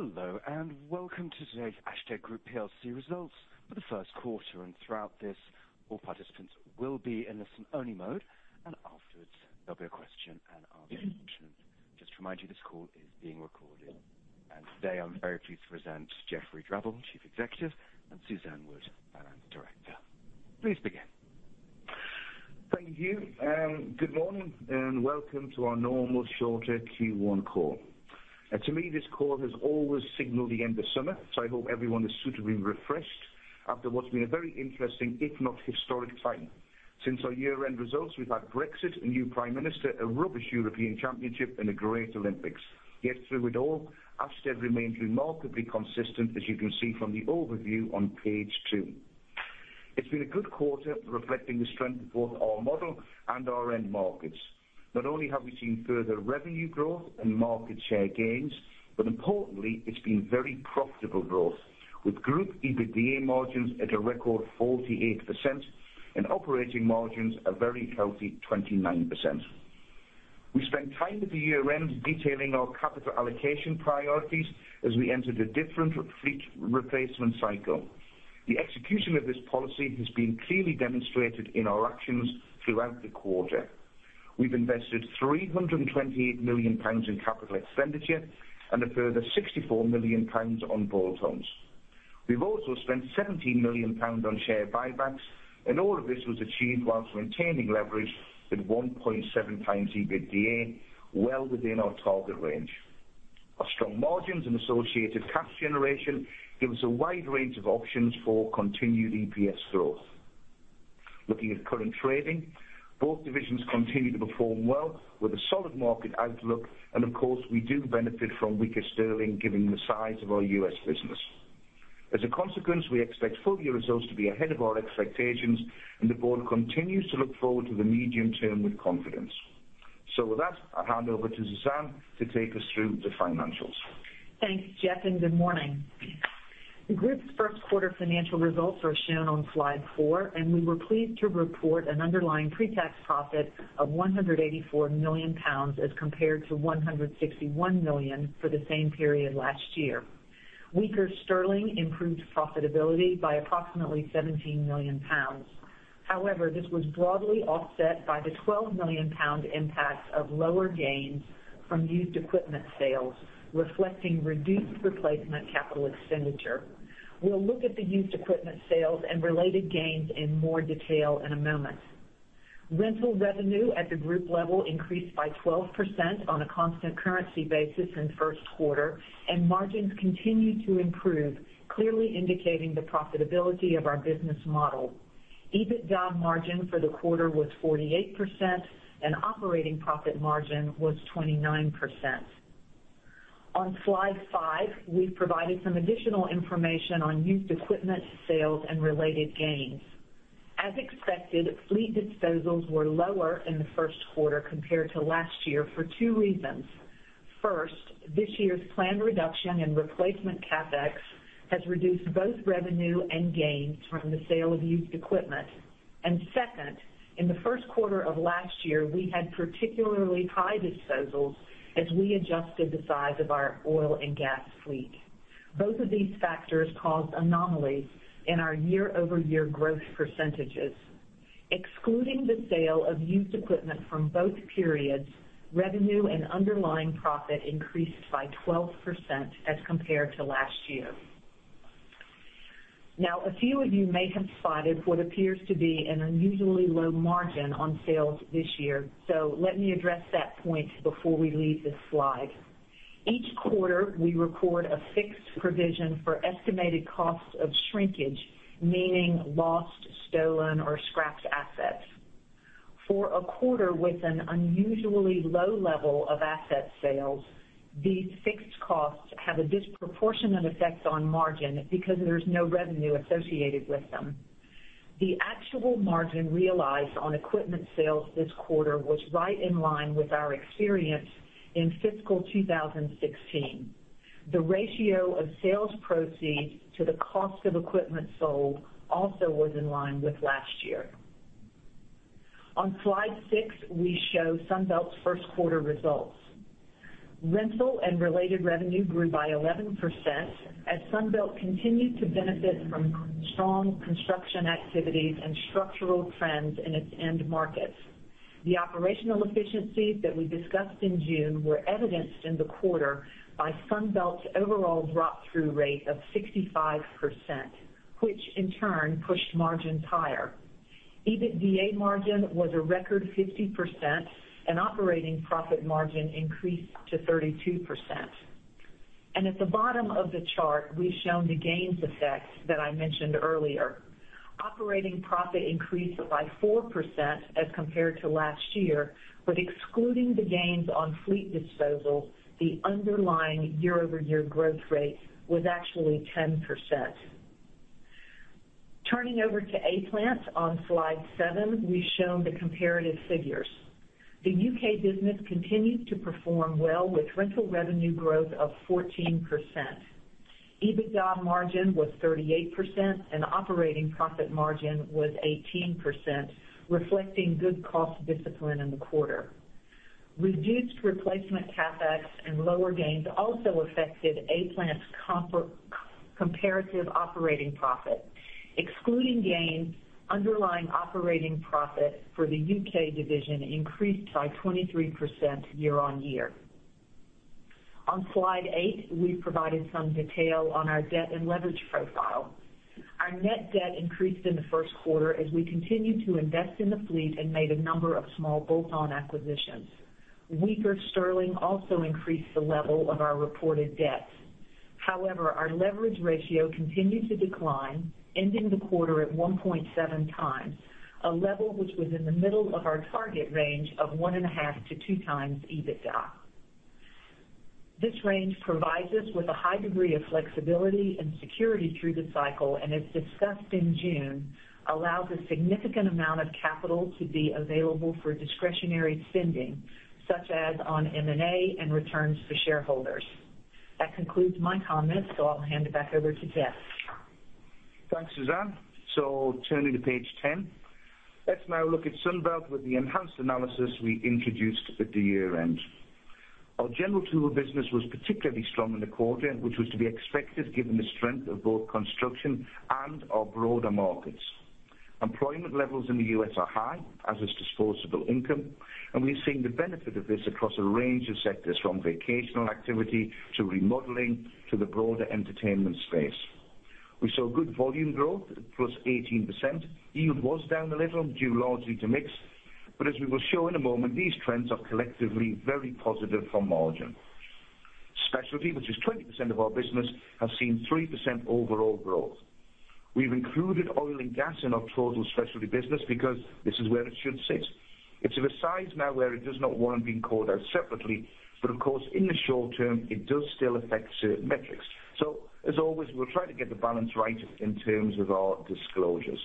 Hello, welcome to today's Ashtead Group plc results for the first quarter. Throughout this, all participants will be in listen-only mode. Afterwards, there'll be a question and answer option. Just to remind you, this call is being recorded. Today I'm very pleased to present Geoff Drabble, Chief Executive, and Suzanne Wood, Finance Director. Please begin. Thank you. Good morning, welcome to our normal shorter Q1 call. To me, this call has always signaled the end of summer, so I hope everyone is suitably refreshed after what's been a very interesting, if not historic, time. Since our year-end results, we've had Brexit, a new Prime Minister, a rubbish European Championship, and a great Olympics. Yet through it all, Ashtead remains remarkably consistent, as you can see from the overview on page two. It's been a good quarter reflecting the strength of both our model and our end markets. Not only have we seen further revenue growth and market share gains, but importantly, it's been very profitable growth with group EBITDA margins at a record 48% and operating margins a very healthy 29%. We spent time at the year-end detailing our capital allocation priorities as we entered a different fleet replacement cycle. The execution of this policy has been clearly demonstrated in our actions throughout the quarter. We've invested 328 million pounds in capital expenditure and a further 64 million pounds on bolt-ons. We've also spent 17 million pounds on share buybacks, all of this was achieved whilst maintaining leverage at 1.7x EBITDA, well within our target range. Our strong margins and associated cash generation give us a wide range of options for continued EPS growth. Looking at current trading, both divisions continue to perform well with a solid market outlook. Of course, we do benefit from weaker sterling given the size of our U.S. business. As a consequence, we expect full year results to be ahead of our expectations, the board continues to look forward to the medium term with confidence. With that, I'll hand over to Suzanne to take us through the financials. Thanks, Geoff, good morning. The group's first quarter financial results are shown on slide four, we were pleased to report an underlying pre-tax profit of 184 million pounds as compared to 161 million for the same period last year. Weaker sterling improved profitability by approximately 17 million pounds. However, this was broadly offset by the 12 million pound impact of lower gains from used equipment sales, reflecting reduced replacement capital expenditure. We'll look at the used equipment sales and related gains in more detail in a moment. Rental revenue at the group level increased by 12% on a constant currency basis in the first quarter, margins continued to improve, clearly indicating the profitability of our business model. EBITDA margin for the quarter was 48% and operating profit margin was 29%. On slide five, we've provided some additional information on used equipment sales and related gains. As expected, fleet disposals were lower in the first quarter compared to last year for two reasons. First, this year's planned reduction in replacement CapEx has reduced both revenue and gains from the sale of used equipment. Second, in the first quarter of last year, we had particularly high disposals as we adjusted the size of our oil and gas fleet. Both of these factors caused anomalies in our year-over-year growth percentages. Excluding the sale of used equipment from both periods, revenue and underlying profit increased by 12% as compared to last year. A few of you may have spotted what appears to be an unusually low margin on sales this year. Let me address that point before we leave this slide. Each quarter, we record a fixed provision for estimated costs of shrinkage, meaning lost, stolen, or scrapped assets. For a quarter with an unusually low level of asset sales, these fixed costs have a disproportionate effect on margin because there's no revenue associated with them. The actual margin realized on equipment sales this quarter was right in line with our experience in fiscal 2016. The ratio of sales proceeds to the cost of equipment sold also was in line with last year. On slide six, we show Sunbelt's first quarter results. Rental and related revenue grew by 11% as Sunbelt continued to benefit from strong construction activities and structural trends in its end markets. The operational efficiencies that we discussed in June were evidenced in the quarter by Sunbelt's overall drop-through rate of 65%, which in turn pushed margins higher. EBITDA margin was a record 50% and operating profit margin increased to 32%. At the bottom of the chart, we've shown the gains effect that I mentioned earlier. Operating profit increased by 4% as compared to last year, but excluding the gains on fleet disposal, the underlying year-over-year growth rate was actually 10%. Turning over to A-Plant on slide seven, we've shown the comparative figures. The U.K. business continued to perform well with rental revenue growth of 14%. EBITDA margin was 38%, and operating profit margin was 18%, reflecting good cost discipline in the quarter. Reduced replacement CapEx and lower gains also affected A-Plant's comparative operating profit. Excluding gains, underlying operating profit for the U.K. division increased by 23% year-on-year. On slide eight, we provided some detail on our debt and leverage profile. Our net debt increased in the first quarter as we continued to invest in the fleet and made a number of small bolt-on acquisitions. Weaker sterling also increased the level of our reported debts. However, our leverage ratio continued to decline, ending the quarter at 1.7 times, a level which was in the middle of our target range of one and a half to two times EBITDA. This range provides us with a high degree of flexibility and security through the cycle, as discussed in June, allows a significant amount of capital to be available for discretionary spending, such as on M&A and returns to shareholders. That concludes my comments, I'll hand it back over to Geoff. Thanks, Suzanne. Turning to page 10. Let's now look at Sunbelt with the enhanced analysis we introduced at the year-end. Our general tool business was particularly strong in the quarter, which was to be expected given the strength of both construction and our broader markets. Employment levels in the U.S. are high, as is disposable income, and we are seeing the benefit of this across a range of sectors, from vacational activity to remodeling to the broader entertainment space. We saw good volume growth, +18%. Yield was down a little due largely to mix, but as we will show in a moment, these trends are collectively very positive for margin. Specialty, which is 20% of our business, has seen 3% overall growth. We've included oil and gas in our total specialty business because this is where it should sit. It's of a size now where it does not warrant being called out separately, but of course, in the short term, it does still affect certain metrics. As always, we'll try to get the balance right in terms of our disclosures.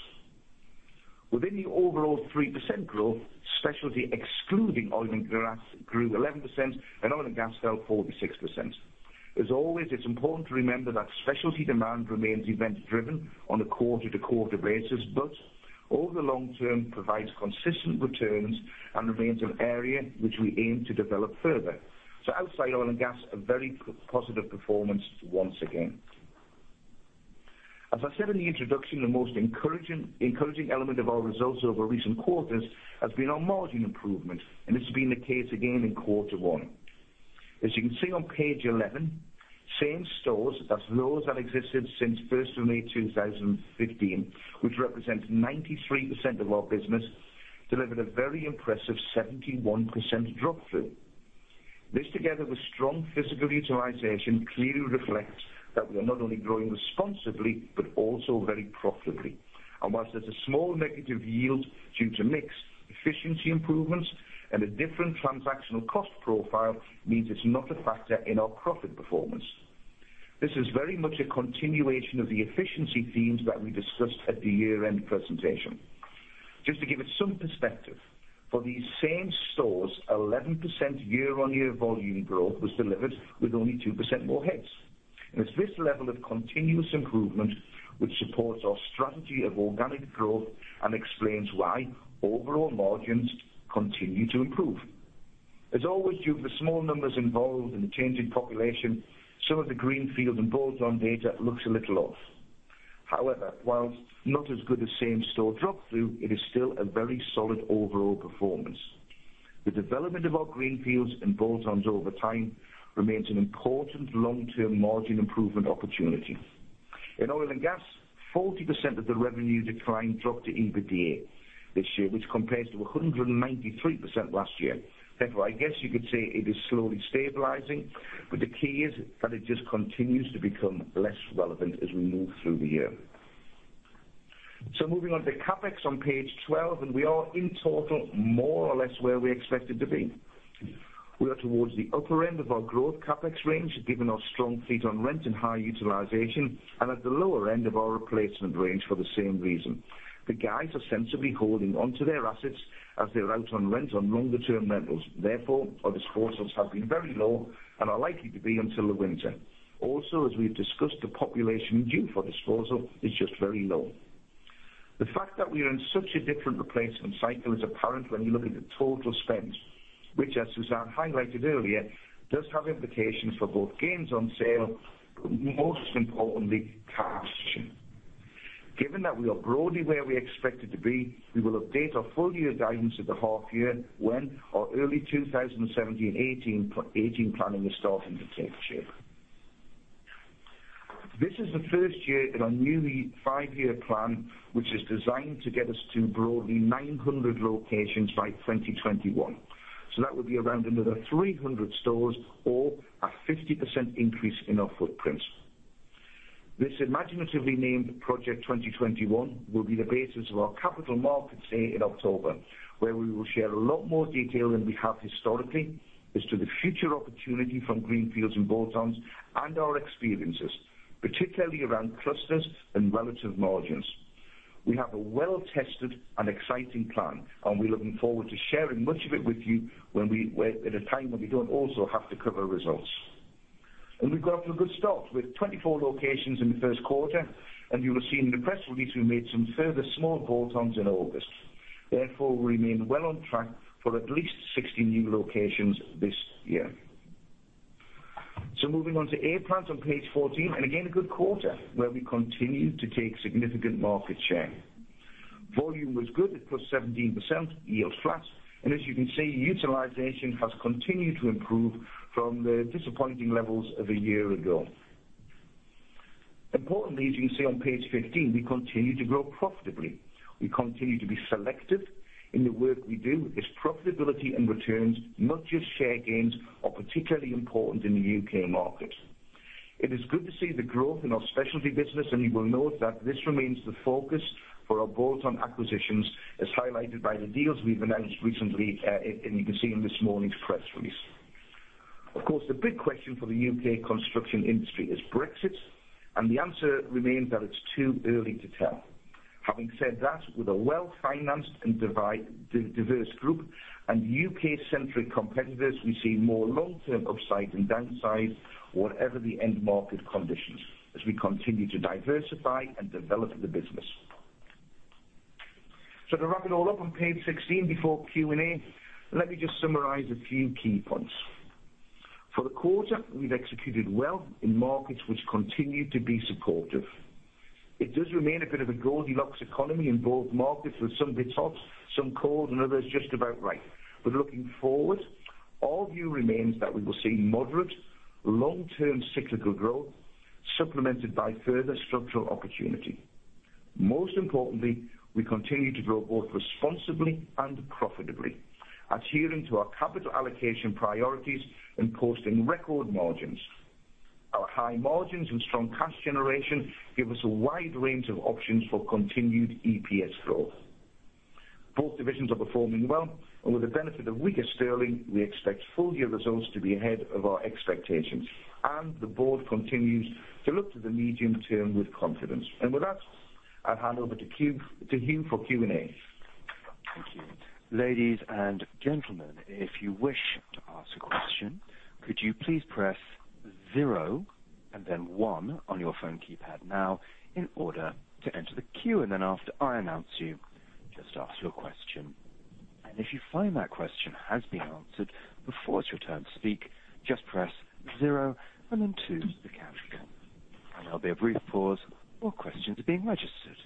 Within the overall 3% growth, specialty excluding oil and gas grew 11%, and oil and gas fell 46%. As always, it's important to remember that specialty demand remains event-driven on a quarter-to-quarter basis, but over the long term provides consistent returns and remains an area which we aim to develop further. Outside oil and gas, a very positive performance once again. As I said in the introduction, the most encouraging element of our results over recent quarters has been our margin improvement, and this has been the case again in quarter one. As you can see on page 11, same stores as those that existed since 1st of May, 2015, which represent 93% of our business, delivered a very impressive 71% drop-through. This, together with strong physical utilization, clearly reflects that we are not only growing responsibly, but also very profitably. Whilst there's a small negative yield due to mix, efficiency improvements and a different transactional cost profile means it's not a factor in our profit performance. This is very much a continuation of the efficiency themes that we discussed at the year-end presentation. Just to give it some perspective, for these same stores, 11% year-on-year volume growth was delivered with only 2% more heads. It's this level of continuous improvement which supports our strategy of organic growth and explains why overall margins continue to improve. As always, due to the small numbers involved and the changing population, some of the greenfield and bolt-on data looks a little off. However, whilst not as good a same-store drop-through, it is still a very solid overall performance. The development of our greenfields and bolt-ons over time remains an important long-term margin improvement opportunity. In oil and gas, 40% of the revenue decline dropped to EBITDA this year, which compares to 193% last year. Therefore, I guess you could say it is slowly stabilizing, but the key is that it just continues to become less relevant as we move through the year. Moving on to CapEx on page 12, we are in total more or less where we expected to be. We are towards the upper end of our growth CapEx range, given our strong fleet on rent and high utilization, and at the lower end of our replacement range for the same reason. The guys are sensibly holding onto their assets as they're out on rent on longer-term rentals. Therefore, our disposals have been very low and are likely to be until the winter. Also, as we've discussed, the population due for disposal is just very low. The fact that we are in such a different replacement cycle is apparent when you look at the total spend, which, as Suzanne highlighted earlier, does have implications for both gains on sale, but most importantly, cash. Given that we are broadly where we expected to be, we will update our full-year guidance at the half year when our early 2017-18 planning is starting to take shape. This is the first year in our newly five-year plan, which is designed to get us to broadly 900 locations by 2021. That would be around another 300 stores or a 50% increase in our footprint. This imaginatively named Project 2021 will be the basis of our capital markets day in October, where we will share a lot more detail than we have historically as to the future opportunity from greenfields and bolt-ons and our experiences, particularly around clusters and relative margins. We have a well-tested and exciting plan, and we're looking forward to sharing much of it with you at a time when we don't also have to cover results. We've got off to a good start with 24 locations in the first quarter. You will see in the press release we made some further small bolt-ons in August. Therefore, we remain well on track for at least 60 new locations this year. Moving on to A-Plant on page 14, and again, a good quarter where we continue to take significant market share. Volume was good at +17%, yield flat, and as you can see, utilization has continued to improve from the disappointing levels of a year ago. Importantly, as you can see on page 15, we continue to grow profitably. We continue to be selective in the work we do as profitability and returns, not just share gains, are particularly important in the U.K. market. It is good to see the growth in our specialty business, and you will note that this remains the focus for our bolt-on acquisitions, as highlighted by the deals we've announced recently, and you can see in this morning's press release. Of course, the big question for the U.K. construction industry is Brexit, and the answer remains that it's too early to tell. Having said that, with a well-financed and diverse group and U.K.-centric competitors, we see more long-term upside than downside whatever the end market conditions as we continue to diversify and develop the business. To wrap it all up on page 16 before Q&A, let me just summarize a few key points. For the quarter, we've executed well in markets which continue to be supportive. It does remain a bit of a Goldilocks economy in both markets, with some bits hot, some cold, and others just about right. Looking forward, our view remains that we will see moderate long-term cyclical growth supplemented by further structural opportunity. Most importantly, we continue to grow both responsibly and profitably, adhering to our capital allocation priorities and posting record margins. Our high margins and strong cash generation give us a wide range of options for continued EPS growth. Both divisions are performing well, with the benefit of weaker sterling, we expect full-year results to be ahead of our expectations. The board continues to look to the medium term with confidence. With that, I'll hand over to Hugh for Q&A. Thank you. Ladies and gentlemen, if you wish to ask a question, could you please press zero and then one on your phone keypad now in order to enter the queue. Then after I announce you, just ask your question. If you find that question has been answered before it's your turn to speak, just press zero and then two to withdraw. There'll be a brief pause while questions are being registered.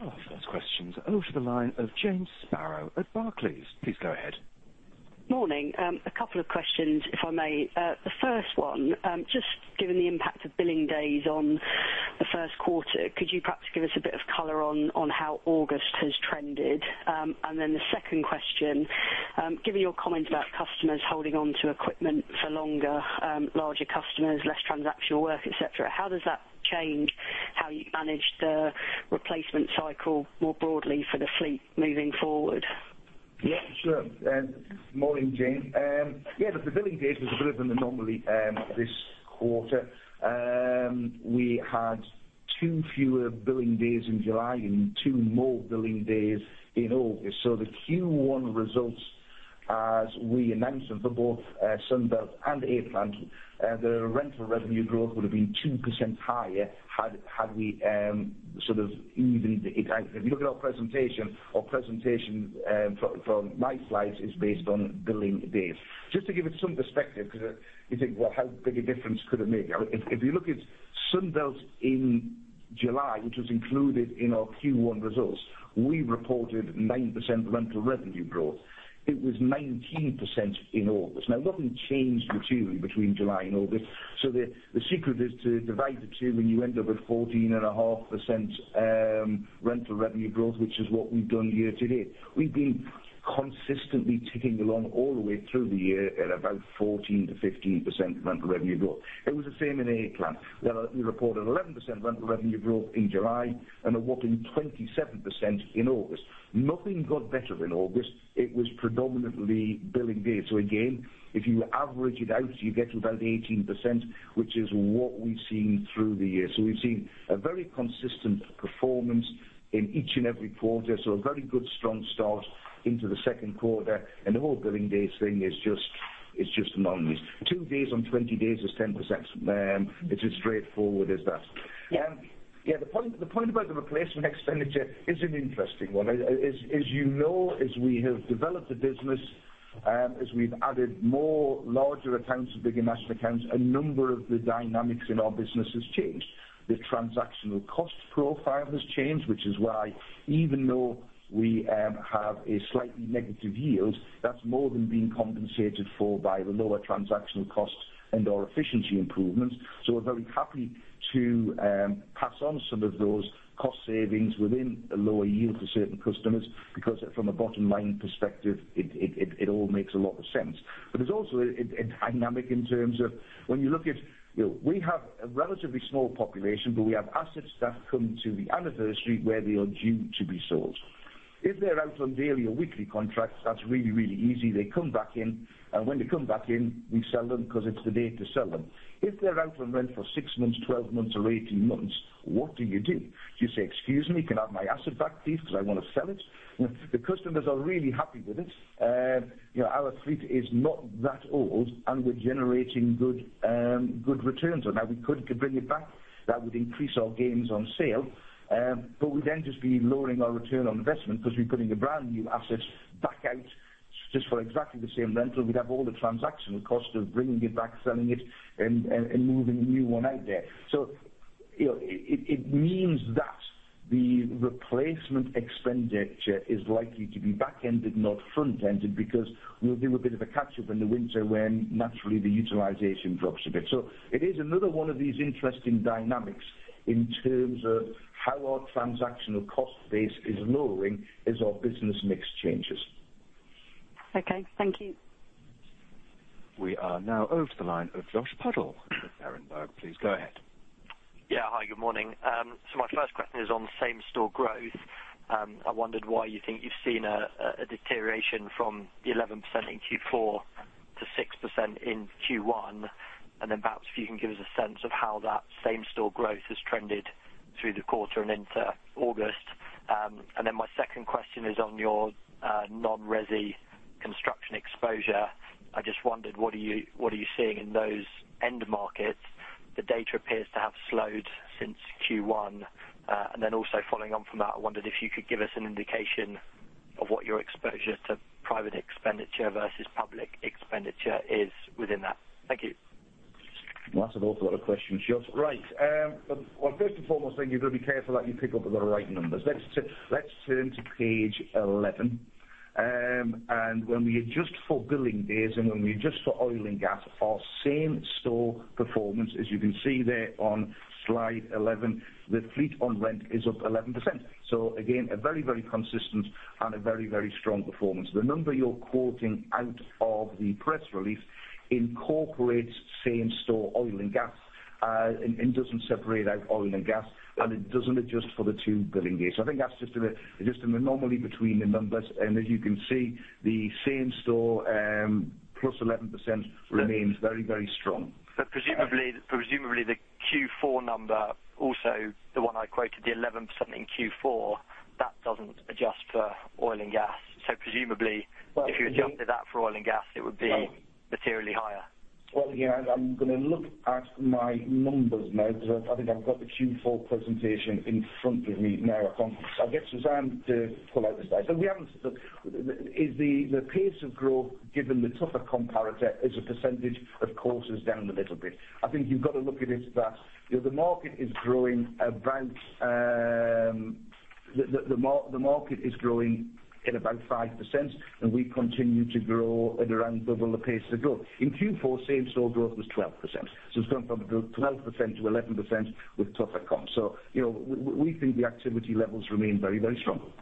Our first question is over the line of Jane Sparrow at Barclays. Please go ahead. Morning. A couple of questions, if I may. The first one, just given the impact of billing days on the first quarter, could you perhaps give us a bit of color on how August has trended? Then the second question, given your comment about customers holding on to equipment for longer, larger customers, less transactional work, et cetera, how does that change how you manage the replacement cycle more broadly for the fleet moving forward? Yeah, sure. Morning, Jane. Yeah, the billing days was a bit of an anomaly this quarter. We had two fewer billing days in July and two more billing days in August. The Q1 results, as we announced them for both Sunbelt and A-Plant, the rental revenue growth would have been 2% higher had we evened it out. If you look at our presentation, our presentation from my slides is based on billing days. Just to give it some perspective, because you think, well, how big a difference could it make? If you look at Sunbelt in July, which was included in our Q1 results, we reported 9% rental revenue growth. It was 19% in August. Nothing changed materially between July and August. The secret is to divide the two, and you end up with 14.5% rental revenue growth, which is what we've done year to date. We've been consistently ticking along all the way through the year at about 14%-15% rental revenue growth. It was the same in A-Plant. We reported 11% rental revenue growth in July and a whopping 27% in August. Nothing got better in August. It was predominantly billing days. Again, if you average it out, you get about 18%, which is what we've seen through the year. We've seen a very consistent performance in each and every quarter. A very good strong start into the second quarter. The whole billing days thing is just an anomaly. two days on 20 days is 10%. It's as straightforward as that. Yeah. Yeah, the point about the replacement expenditure is an interesting one. As you know, as we have developed the business, as we've added more larger accounts and bigger national accounts, a number of the dynamics in our business has changed. The transactional cost profile has changed, which is why even though we have a slightly negative yield, that's more than being compensated for by the lower transactional costs and our efficiency improvements. We're very happy to pass on some of those cost savings within a lower yield to certain customers, because from a bottom-line perspective, it all makes a lot of sense. There's also a dynamic in terms of when you look at, we have a relatively small population, but we have assets that come to the anniversary where they are due to be sold. If they're out on daily or weekly contracts, that's really easy. They come back in, when they come back in, we sell them because it's the day to sell them. If they're out on rent for six months, 12 months, or 18 months, what do you do? Do you say, "Excuse me, can I have my asset back, please, because I want to sell it?" The customers are really happy with it. Our fleet is not that old, and we're generating good returns on that. We could bring it back. That would increase our gains on sale, but we'd then just be lowering our ROI because we're putting the brand-new assets back out just for exactly the same rental. We'd have all the transactional cost of bringing it back, selling it, and moving a new one out there. It means that the replacement expenditure is likely to be back-ended, not front-ended, because we'll do a bit of a catch-up in the winter when naturally the utilization drops a bit. It is another one of these interesting dynamics in terms of how our transactional cost base is lowering as our business mix changes. Okay, thank you. We are now over to the line of Josh Puddle of Berenberg. Please go ahead. Hi, good morning. My first question is on same-store growth. I wondered why you think you've seen a deterioration from the 11% in Q4 to 6% in Q1, then perhaps if you can give us a sense of how that same-store growth has trended through the quarter and into August. My second question is on your non-resi construction exposure. I just wondered, what are you seeing in those end markets? The data appears to have slowed since Q1. Also following on from that, I wondered if you could give us an indication of what your exposure to private expenditure versus public expenditure is within that. Thank you. That's an awful lot of questions, Josh. Right. First and foremost thing, you've got to be careful that you pick up the right numbers. Let's turn to page 11. When we adjust for billing days and when we adjust for oil and gas, our same-store performance, as you can see there on slide 11, the fleet on rent is up 11%. Again, a very consistent and a very strong performance. The number you're quoting out of the press release incorporates same-store oil and gas, doesn't separate out oil and gas, and it doesn't adjust for the two billing days. I think that's just an anomaly between the numbers. As you can see, the same-store plus 11% remains very strong. Presumably, the Q4 number, also the one I quoted, the 11% in Q4, that doesn't adjust for oil and gas. Presumably. Well- If you adjusted that for oil and gas, it would be materially higher. Well, yeah, I'm going to look at my numbers now because I think I've got the Q4 presentation in front of me now. I guess Suzanne could pull out the slide. Is the pace of growth, given the tougher comparator, as a percentage, of course, is down a little bit. I think you've got to look at it that the market is growing at about 5%, and we continue to grow at around double the pace of growth. In Q4, same-store growth was 12%. It's gone from 12% to 11% with tougher comps. We think the activity levels remain very strong.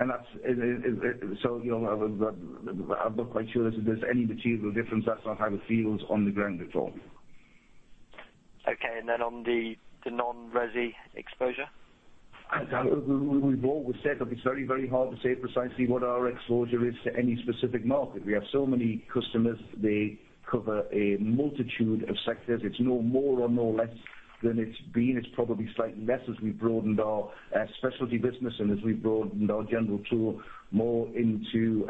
I'm not quite sure if there's any material difference. That's not how it feels on the ground at all. Okay. On the non-resi exposure? As we've always said, that it's very hard to say precisely what our exposure is to any specific market. We have so many customers. They cover a multitude of sectors. It's no more or no less than it's been. It's probably slightly less as we broadened our specialty business and as we broadened our general tool more into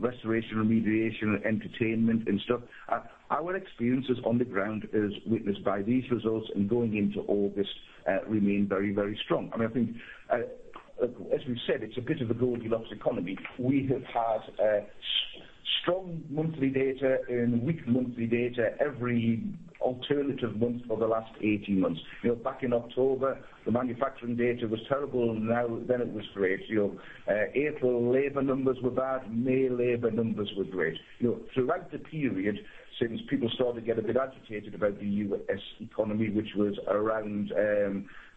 restoration, remediation, entertainment, and stuff. Our experiences on the ground as witnessed by these results and going into August, remain very strong. I think, as we said, it's a bit of a Goldilocks economy. We have had strong monthly data and weak monthly data every alternative month for the last 18 months. Back in October, the manufacturing data was terrible, then it was great. April labor numbers were bad, May labor numbers were great. Throughout the period, since people started to get a bit agitated about the U.S. economy, which was around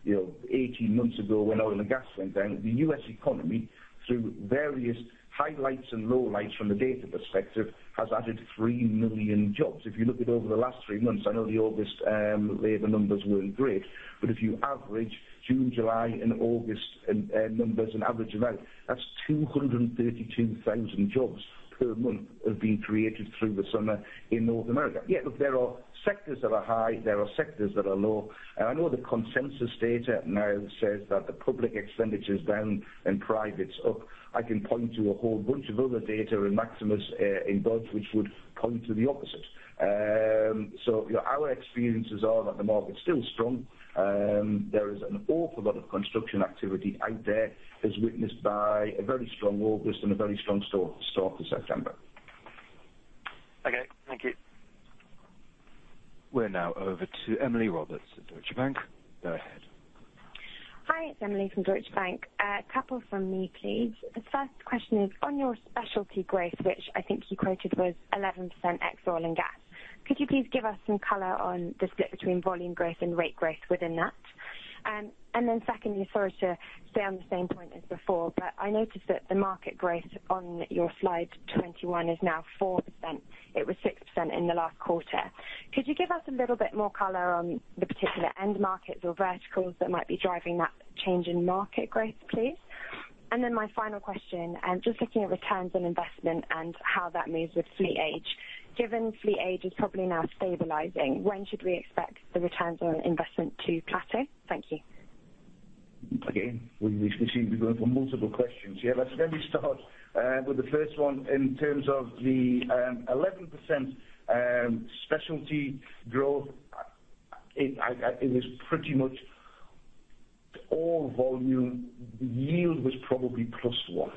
18 months ago when oil and gas went down. The U.S. economy, through various highlights and lowlights from the data perspective, has added three million jobs. If you look at over the last three months, I know the August labor numbers weren't great, but if you average June, July, and August numbers and average them out, that's 232,000 jobs per month have been created through the summer in North America. There are sectors that are high, there are sectors that are low. I know the consensus data now says that the public expenditure's down and private's up. I can point to a whole bunch of other data in Maximus in both which would point to the opposite. Our experiences are that the market's still strong. There is an awful lot of construction activity out there, as witnessed by a very strong August and a very strong start to September. Okay, thank you. We're now over to Emily Roberts at Deutsche Bank. Go ahead. Hi, it's Emily from Deutsche Bank. A couple from me, please. The first question is on your specialty growth, which I think you quoted was 11% ex oil and gas. Could you please give us some color on the split between volume growth and rate growth within that? Secondly, sorry to stay on the same point as before, but I noticed that the market growth on your slide 21 is now 4%. It was 6% in the last quarter. Could you give us a little bit more color on the particular end markets or verticals that might be driving that change in market growth, please? My final question, just looking at returns on investment and how that moves with fleet age. Given fleet age is probably now stabilizing, when should we expect the returns on investment to plateau? Thank you. We seem to be going for multiple questions here. Let me start with the first one. In terms of the 11% specialty growth, it was pretty much all volume. Yield was probably +1.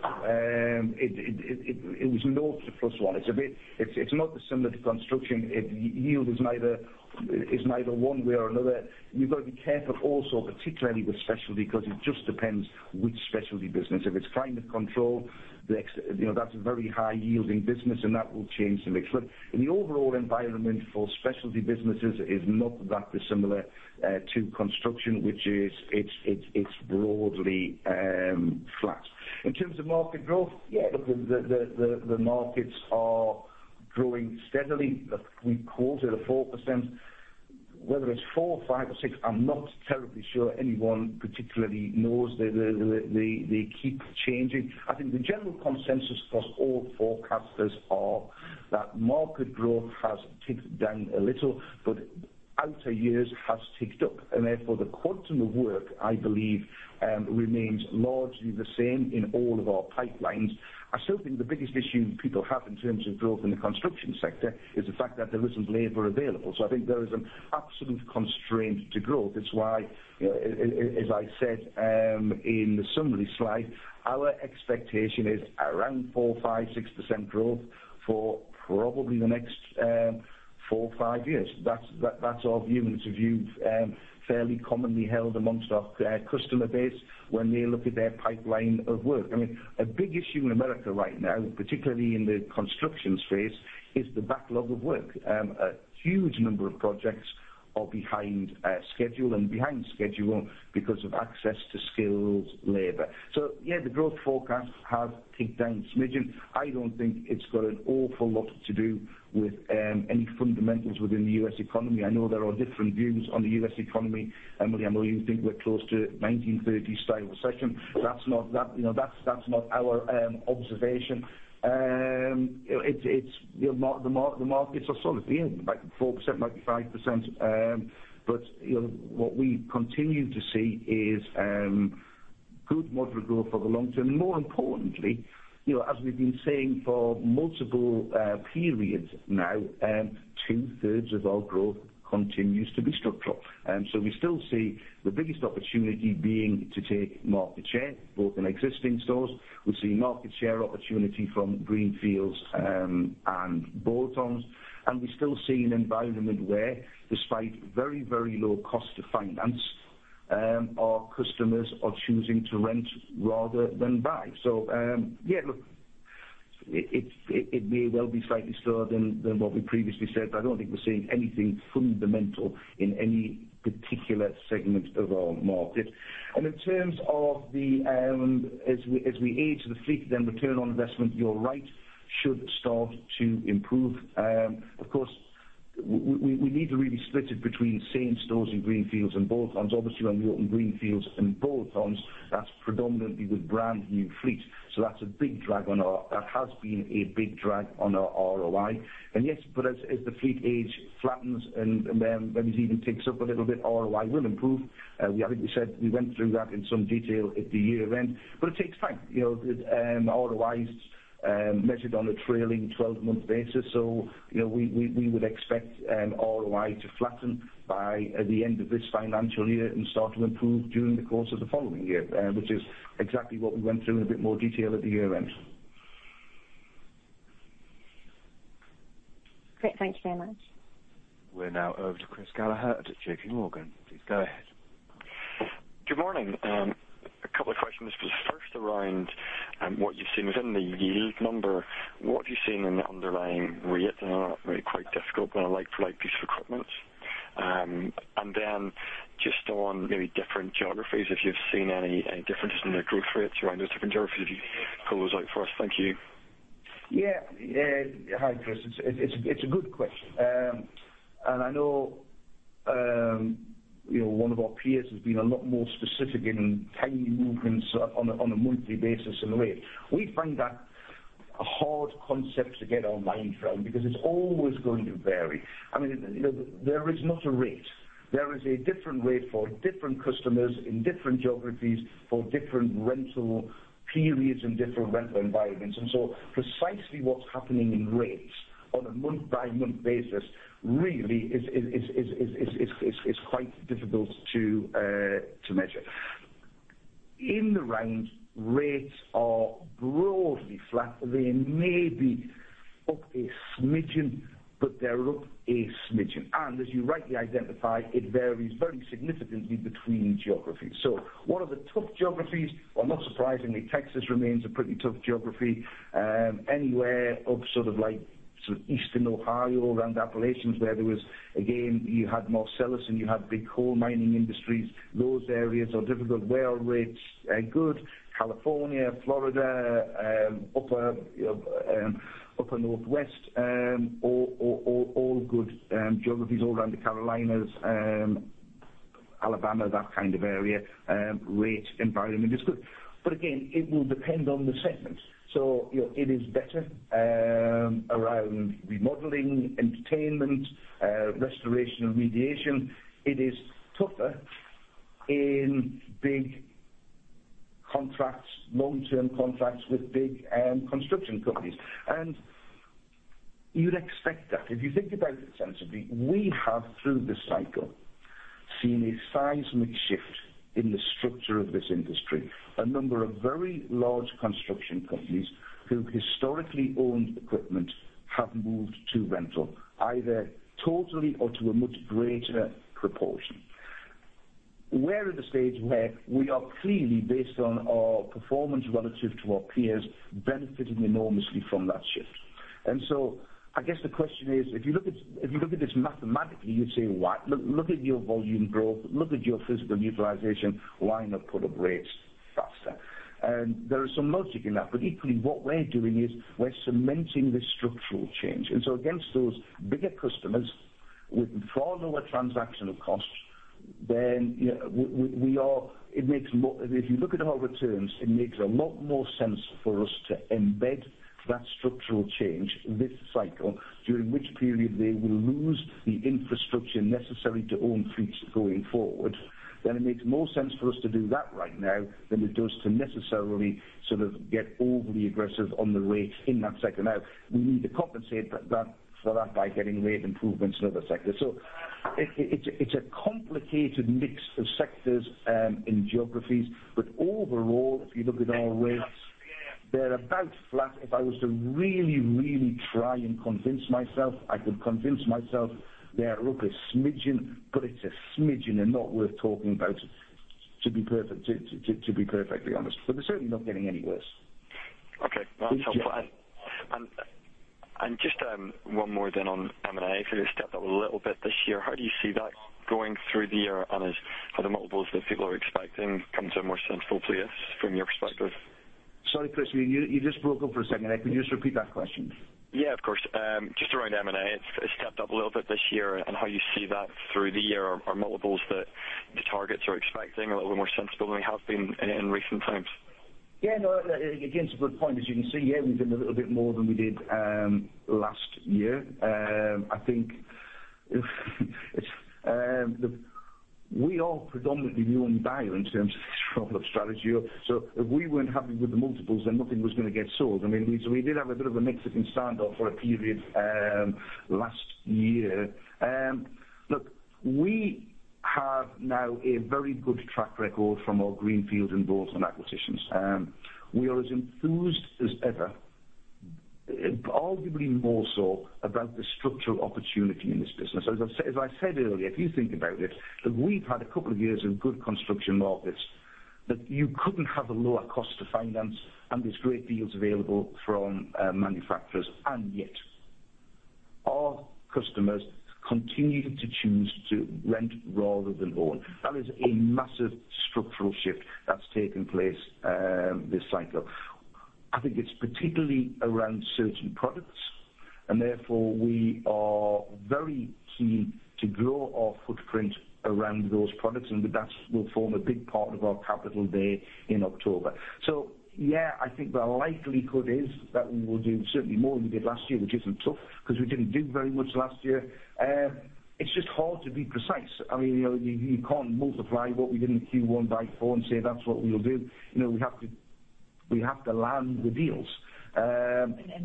It was naught to +1. It's not dissimilar to construction. Yield is neither one way or another. You've got to be careful also, particularly with specialty, because it just depends which specialty business. If it's climate control, that's a very high yielding business, and that will change the mix. In the overall environment for specialty businesses, it is not that dissimilar to construction, which is it's broadly flat. In terms of market growth, yeah, look, the markets are growing steadily. We call to the 4%. Whether it's 4, 5 or 6, I'm not terribly sure anyone particularly knows. They keep changing. I think the general consensus across all forecasters are that market growth has ticked down a little, outer years has ticked up, therefore the quantum of work, I believe, remains largely the same in all of our pipelines. I still think the biggest issue people have in terms of growth in the construction sector is the fact that there isn't labor available. I think there is an absolute constraint to growth. It's why, as I said in the summary slide, our expectation is around 4%, 5%, 6% growth for probably the next four or five years. That's our view, and it's a view fairly commonly held amongst our customer base when they look at their pipeline of work. A big issue in the U.S. right now, particularly in the construction space, is the backlog of work. A huge number of projects are behind schedule and behind schedule because of access to skilled labor. Yeah, the growth forecast has ticked down a smidgen. I don't think it's got an awful lot to do with any fundamentals within the U.S. economy. I know there are different views on the U.S. economy, Emily. I know you think we're close to 1930s style recession. That's not our observation. The markets are solid, be it like 4%, like 5%. What we continue to see is good moderate growth for the long term. More importantly, as we've been saying for multiple periods now, two-thirds of our growth continues to be structural. We still see the biggest opportunity being to take market share both in existing stores. We're seeing market share opportunity from greenfields and bolt-ons. We still see an environment where, despite very, very low cost of finance, our customers are choosing to rent rather than buy. Yeah, look, it may well be slightly slower than what we previously said, but I don't think we're seeing anything fundamental in any particular segment of our market. In terms of as we age the fleet, return on investment, you're right, should start to improve. Of course, we need to really split it between same stores and greenfields and bolt-ons. Obviously, when we open greenfields and bolt-ons, that's predominantly with brand new fleet. That has been a big drag on our ROI. Yes, as the fleet age flattens and maybe even ticks up a little bit, ROI will improve. I think we said we went through that in some detail at the year-end, it takes time. ROI is measured on a trailing 12-month basis, we would expect ROI to flatten by the end of this financial year and start to improve during the course of the following year, which is exactly what we went through in a bit more detail at the year-end. Great. Thank you very much. We're now over to Chris Gallagher at J.P. Morgan. Please go ahead. Good morning. A couple of questions. Just first around what you've seen within the yield number. What have you seen in the underlying rate? I know that may be quite difficult, but like for like piece of equipment. Then just on maybe different geographies, if you've seen any differences in the growth rates around those different geographies, if you could pull those out for us. Thank you. Yeah. Hi, Chris. It's a good question. I know one of our peers has been a lot more specific in tiny movements on a monthly basis in the rate. We find that a hard concept to get our mind around because it's always going to vary. There is not a rate. There is a different rate for different customers in different geographies for different rental periods and different rental environments. Precisely what's happening in rates on a month-by-month basis really is quite difficult to measure. In the round, rates are broadly flat. They may be up a smidgen, but they're up a smidgen. As you rightly identify, it varies very significantly between geographies. One of the tough geographies, well, not surprisingly, Texas remains a pretty tough geography. Anywhere up sort of like eastern Ohio around Appalachians, where there was, again, you had Marcellus and you had big coal mining industries. Those areas are difficult. Where rates are good, California, Florida, upper northwest, all good geographies all around the Carolinas and Alabama, that kind of area, rate environment is good. Again, it will depend on the segment. It is better around remodeling, entertainment, restoration, remediation. It is tougher in big contracts, long-term contracts with big construction companies. You'd expect that. If you think about it sensibly, we have, through this cycle, seen a seismic shift in the structure of this industry. A number of very large construction companies who historically owned equipment have moved to rental, either totally or to a much greater proportion. We're at the stage where we are clearly, based on our performance relative to our peers, benefiting enormously from that shift. I guess the question is, if you look at this mathematically, you'd say, "What? Look at your volume growth. Look at your physical utilization. Why not put up rates faster?" There is some logic in that. Equally, what we're doing is we're cementing this structural change. Against those bigger customers with far lower transactional costs, then if you look at our returns, it makes a lot more sense for us to embed that structural change this cycle, during which period they will lose the infrastructure necessary to own fleets going forward. It makes more sense for us to do that right now than it does to necessarily get overly aggressive on the rates in that sector. We need to compensate for that by getting rate improvements in other sectors. It's a complicated mix of sectors in geographies. Overall, if you look at our rates, they're about flat. If I was to really try and convince myself, I could convince myself they are up a smidgen, it's a smidgen and not worth talking about, to be perfectly honest. They're certainly not getting any worse. Okay. That's helpful. Just one more then on M&A. If you step up a little bit this year, how do you see that going through the year? Have the multiples that people are expecting come to a more central place from your perspective? Sorry, Chris, you just broke up for a second. Can you just repeat that question? Yeah, of course. Just around M&A, it stepped up a little bit this year on how you see that through the year. Are multiples that the targets are expecting a little more sensible than they have been in recent times? Yeah, no, again, it's a good point. As you can see here, we've done a little bit more than we did last year. I think we are predominantly new on value in terms of this type of strategy. If we weren't happy with the multiples, then nothing was going to get sold. I mean, we did have a bit of a Mexican standoff for a period last year. Look, we have now a very good track record from our greenfield and bolt-on acquisitions. We are as enthused as ever, arguably more so, about the structural opportunity in this business. As I said earlier, if you think about it, we've had a couple of years of good construction markets that you couldn't have a lower cost to finance and these great deals available from manufacturers, and yet our customers continue to choose to rent rather than own. That is a massive structural shift that's taken place this cycle. I think it's particularly around certain products, therefore we are very keen to grow our footprint around those products, and that will form a big part of our Capital Day in October. Yeah, I think the likelihood is that we will do certainly more than we did last year, which isn't tough because we didn't do very much last year. It's just hard to be precise. You can't multiply what we did in Q1 by four and say that's what we will do. We have to land the deals.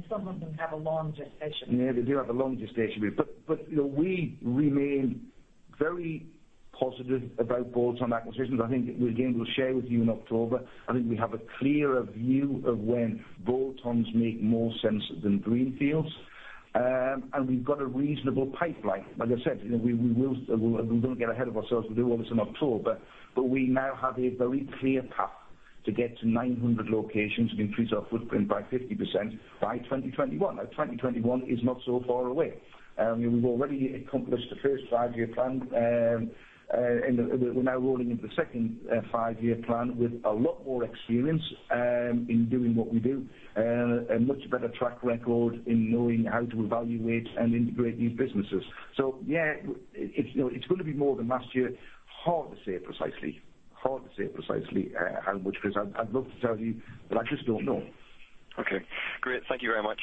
Some of them have a long gestation period. Yeah, they do have a long gestation period. We remain very positive about bolt-on acquisitions. I think, again, we'll share with you in October. I think we have a clearer view of when bolt-ons make more sense than greenfields. We've got a reasonable pipeline. Like I said, we won't get ahead of ourselves. We'll do all this in October. We now have a very clear path to get to 900 locations and increase our footprint by 50% by 2021. Now, 2021 is not so far away. We've already accomplished the first five-year plan, and we're now rolling into the second five-year plan with a lot more experience in doing what we do. A much better track record in knowing how to evaluate and integrate new businesses. Yeah, it's going to be more than last year. Hard to say precisely how much, Chris. I'd love to tell you, but I just don't know. Okay, great. Thank you very much.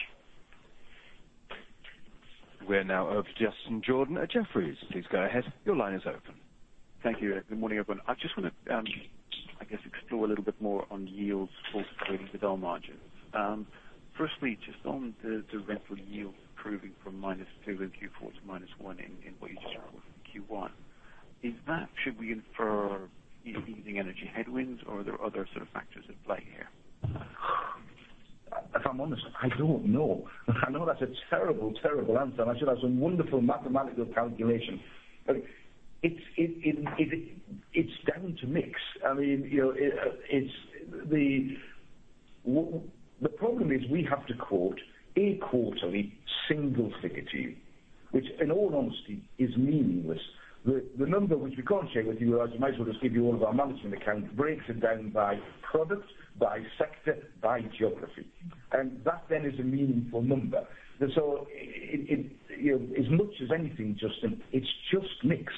We're now over to Justin Jordan at Jefferies. Please go ahead. Your line is open. Thank you. Good morning, everyone. I just want to, I guess, explore a little bit more on yields correlating with our margins. Firstly, just on the rental yields improving from -2% in Q4 to -1% in what you just reported for Q1. Should we infer easing energy headwinds, or are there other factors at play here? If I'm honest, I don't know. I know that's a terrible answer. I should have some wonderful mathematical calculation. It's down to mix. The problem is we have to quote a quarterly single figure to you, which in all honesty is meaningless. The number which we can't share with you, as we might as well just give you all of our management accounts, breaks it down by product, by sector, by geography, and that then is a meaningful number. As much as anything, Justin, it's just mix.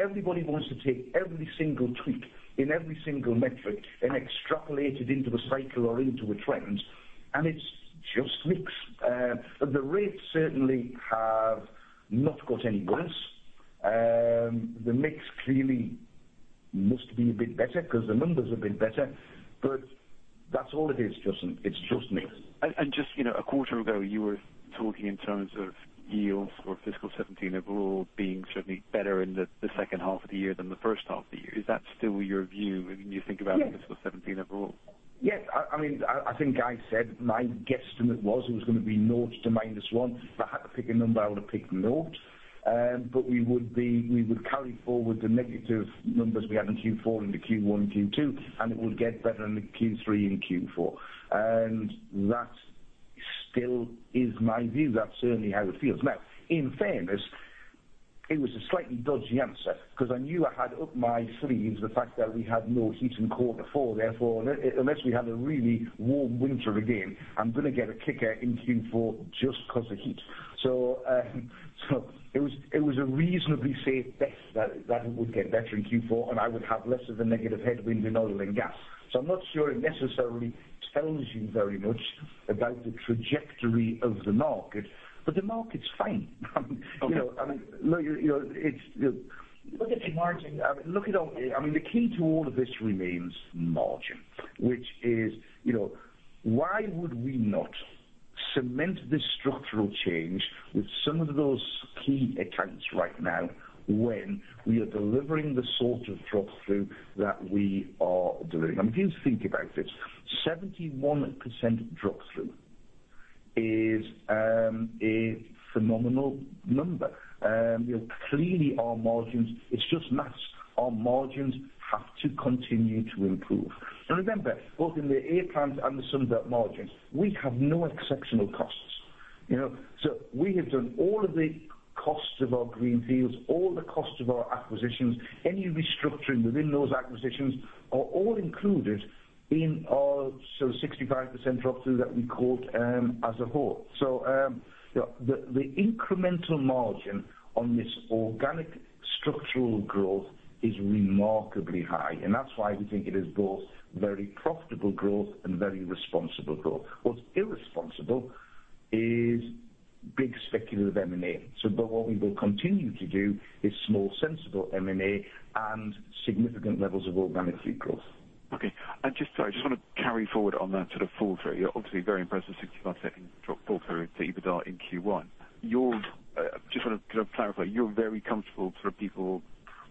Everybody wants to take every single tweak in every single metric and extrapolate it into a cycle or into a trend, and it's just mix. The rates certainly have not got any worse. The mix clearly must be a bit better because the numbers have been better, but that's all it is, Justin. It's just mix. Just a quarter ago, you were talking in terms of yields for fiscal 2017 overall being certainly better in the second half of the year than the first half of the year. Is that still your view when you think about- Yes. -fiscal 2017 overall? Yes. I think I said my guesstimate was it was going to be nought to minus one. If I had to pick a number, I would have picked nought. We would carry forward the negative numbers we had in Q4 into Q1, Q2, and it would get better in Q3 and Q4. That still is my view. That's certainly how it feels. In fairness, it was a slightly dodgy answer because I knew I had up my sleeves the fact that we had no heat in quarter four, therefore, unless we had a really warm winter again, I'm going to get a kicker in Q4 just because of heat. It was a reasonably safe bet that it would get better in Q4, and I would have less of a negative headwind in oil and gas. I'm not sure it necessarily tells you very much about the trajectory of the market, the market's fine. Okay. Look at the margin. The key to all of this remains margin, which is why would we not cement this structural change with some of those key accounts right now when we are delivering the sort of drop-through that we are delivering? If you think about it, 71% drop-through is a phenomenal number. Clearly, our margins, it's just math. Our margins have to continue to improve. Remember, both in the A-Plant and the Sunbelt margins, we have no exceptional costs. We have done all of the costs of our greenfields, all the costs of our acquisitions, any restructuring within those acquisitions are all included in our 65% drop-through that we quote as a whole. The incremental margin on this organic structural growth is remarkably high, and that's why we think it is both very profitable growth and very responsible growth. What's irresponsible is big speculative M&A. What we will continue to do is small, sensible M&A and significant levels of organic fleet growth. Okay. Just, sorry, I just want to carry forward on that drop-through. You're obviously very impressed with 65% drop-through to EBITDA in Q1. Just want to clarify, you're very comfortable people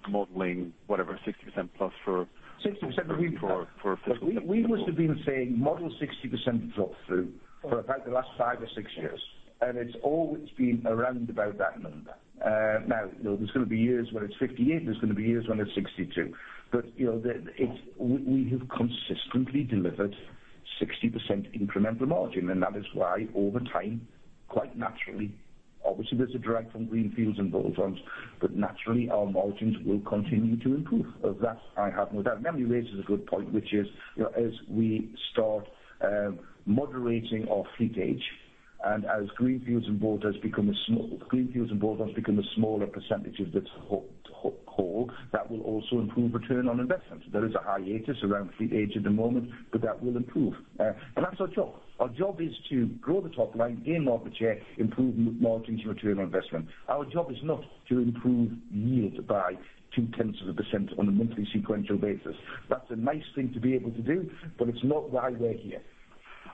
modeling whatever, 60% plus for- 60% we- -for fiscal- We must have been saying model 60% drop-through for about the last five or six years, and it's always been around about that number. There's going to be years when it's 58, and there's going to be years when it's 62. We have consistently delivered 60% incremental margin, and that is why, over time, quite naturally, obviously, there's a drag from greenfields and bolt-ons, but naturally, our margins will continue to improve. Of that I have no doubt. You raised a good point, which is as we start moderating our fleet age, and as greenfields and bolt-ons become a smaller percentage of the whole, that will also improve return on investment. There is a hiatus around fleet age at the moment, but that will improve. That's our job. Our job is to grow the top line, gain market share, improve margins and return on investment. Our job is not to improve yields by two-tenths of a % on a monthly sequential basis. That's a nice thing to be able to do, but it's not why we're here.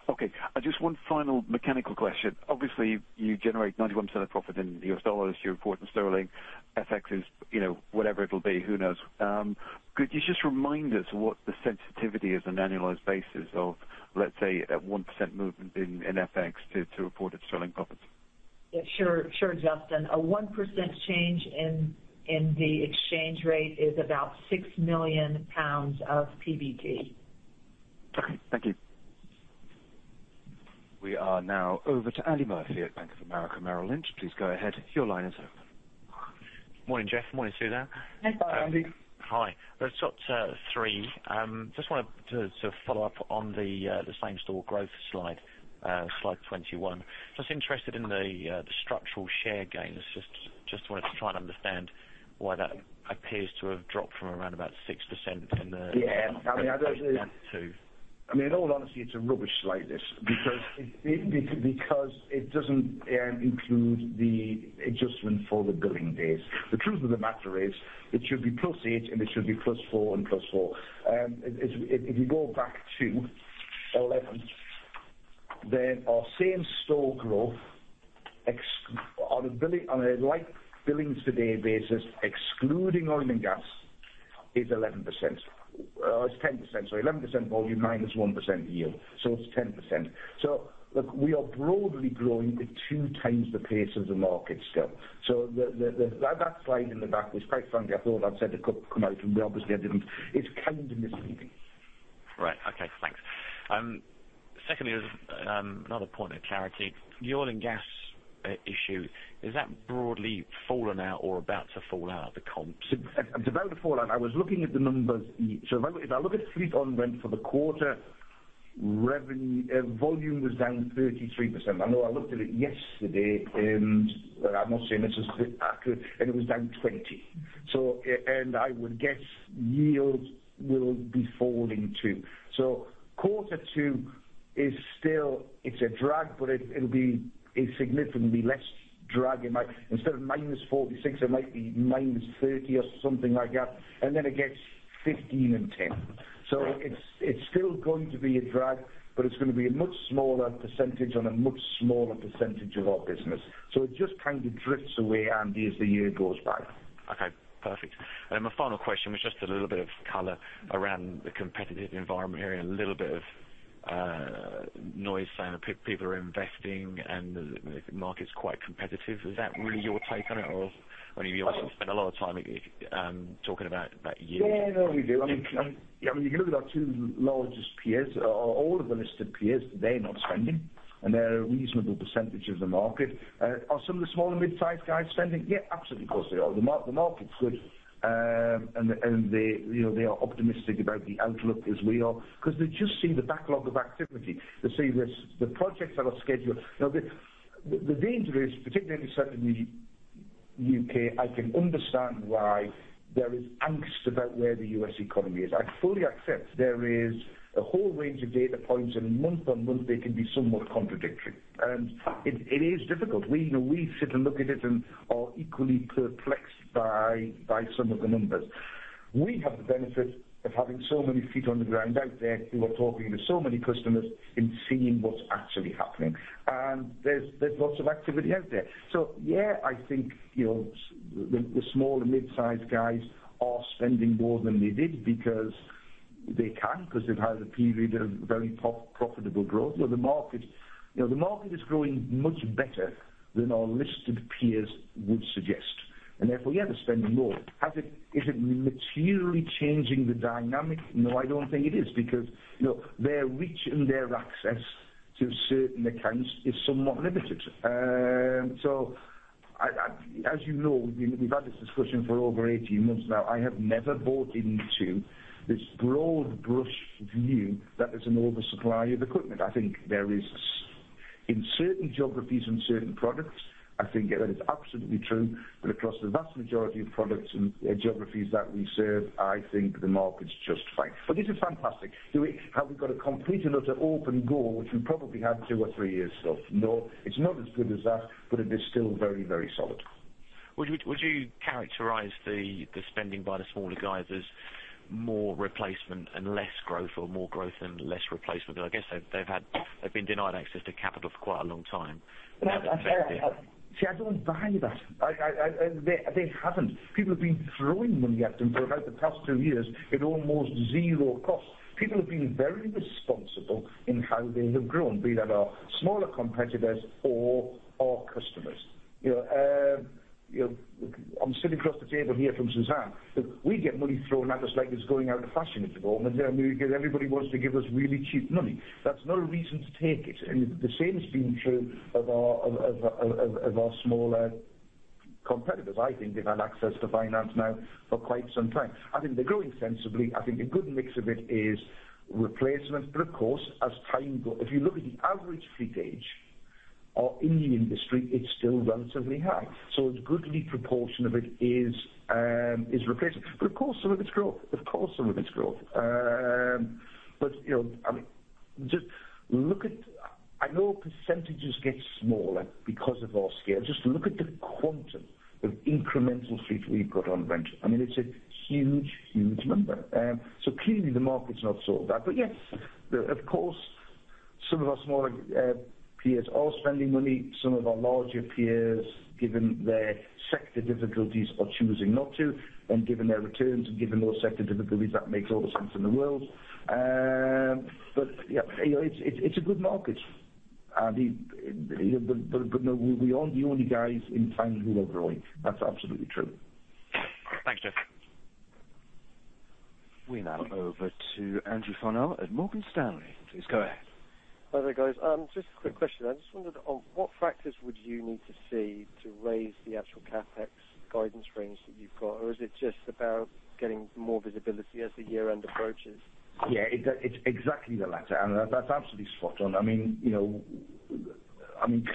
Okay. Just one final mechanical question. Obviously, you generate 91% of profit in US dollars. You report in sterling. FX is whatever it'll be, who knows. Could you just remind us what the sensitivity is on an annualized basis of, let's say, a 1% movement in FX to reported sterling profits? Sure, Justin. A 1% change in the exchange rate is about 6 million pounds of PBT. Okay, thank you. We are now over to Andy Murphy at Bank of America Merrill Lynch. Please go ahead. Your line is open. Morning, Jeff. Morning, Suzanne. Hi, Andy. Hi. Let's talk to three. Just wanted to follow up on the same-store growth slide 21. Just interested in the structural share gains. Just wanted to try and understand why that appears to have dropped from around about 6%. Yeah. -half to- In all honesty, it's a rubbish slide, this. It doesn't include the adjustment for the billing days. The truth of the matter is it should be +8, and it should be +4 and +4. If you go back to 11, then our same-store growth on a like billings today basis, excluding oil and gas, is 11%. It's 10%, sorry. 11% volume minus 1% yield, so it's 10%. Look, we are broadly growing at 2 times the pace of the market still. That slide in the back was quite frankly, I thought I'd said it couldn't come out, and we obviously I didn't. It's kind of misleading. Right. Okay, thanks. Secondly, another point of clarity. The oil and gas issue, has that broadly fallen out or about to fall out of the comps? It's about to fall out. I was looking at the numbers. If I look at fleet on rent for the quarter, volume was down 33%. I know I looked at it yesterday, and I'm not saying this is accurate, and it was down 20. I would guess yields will be falling, too. Quarter 2, it's a drag, but it'll be a significantly less drag. Instead of -46, it might be -30 or something like that. Then it gets 15 and 10. It's still going to be a drag, but it's going to be a much smaller percentage on a much smaller percentage of our business. It just kind of drifts away, Andy, as the year goes by. Okay, perfect. My final question was just a little bit of color around the competitive environment here and a little bit of noise saying that people are investing and the market's quite competitive. Is that really your take on it? You obviously spend a lot of time talking about you. Yeah, no, we do. If you look at our two largest peers, all of the listed peers, they're not spending, and they're a reasonable percentage of the market. Are some of the small and mid-sized guys spending? Yeah, absolutely, of course, they are. The market's good. They are optimistic about the outlook as we are because they've just seen the backlog of activity. They see the projects that are scheduled. The danger is, particularly certainly U.K., I can understand why there is angst about where the U.S. economy is. I fully accept there is a whole range of data points, and month on month, they can be somewhat contradictory. It is difficult. We sit and look at it and are equally perplexed by some of the numbers. We have the benefit of having so many feet on the ground out there who are talking to so many customers and seeing what's actually happening. There's lots of activity out there. Yeah, I think the small and mid-sized guys are spending more than they did because they can, because they've had a period of very profitable growth. The market is growing much better than our listed peers would suggest. Therefore, yeah, they're spending more. Is it materially changing the dynamic? No, I don't think it is because their reach and their access to certain accounts is somewhat limited. As you know, we've had this discussion for over 18 months now. I have never bought into this broad brush view that there's an oversupply of equipment. I think there is in certain geographies and certain products, I think that is absolutely true, but across the vast majority of products and geographies that we serve, I think the market's just fine. This is fantastic. Have we got a complete and utter open goal, which we probably had two or three years ago? No, it's not as good as that, but it is still very solid. Would you characterize the spending by the smaller guys as more replacement and less growth or more growth and less replacement? I guess they've been denied access to capital for quite a long time. I don't buy that. They haven't. People have been throwing money at them for about the past two years at almost zero cost. People have been very responsible in how they have grown, be that our smaller competitors or our customers. I'm sitting across the table here from Suzanne. We get money thrown at us like it's going out of fashion at the moment, and everybody wants to give us really cheap money. That's no reason to take it. The same has been true of our smaller competitors. I think they've had access to finance now for quite some time. I think they're growing sensibly. I think a good mix of it is replacement. Of course, as time goes, if you look at the average fleet age in the industry, it's still relatively high. A goodly proportion of it is replacement. Of course, some of it's growth. Just look at I know percentages get smaller because of our scale. Just look at the quantum of incremental fleet we've got on rental. It's a huge number. Clearly the market's not sorted out. Yes, of course, some of our smaller peers are spending money. Some of our larger peers, given their sector difficulties, are choosing not to. Given their returns and given those sector difficulties, that makes all the sense in the world. Yeah, it's a good market, Andy. No, we aren't the only guys in town who are growing. That's absolutely true. Thanks, Geoff. We now go over to Andrew Farnell at Morgan Stanley. Please go ahead. Hi there, guys. Just a quick question. I just wondered what factors would you need to see to raise the actual CapEx guidance range that you've got? Is it just about getting more visibility as the year end approaches? Yeah, it's exactly the latter, and that's absolutely spot on.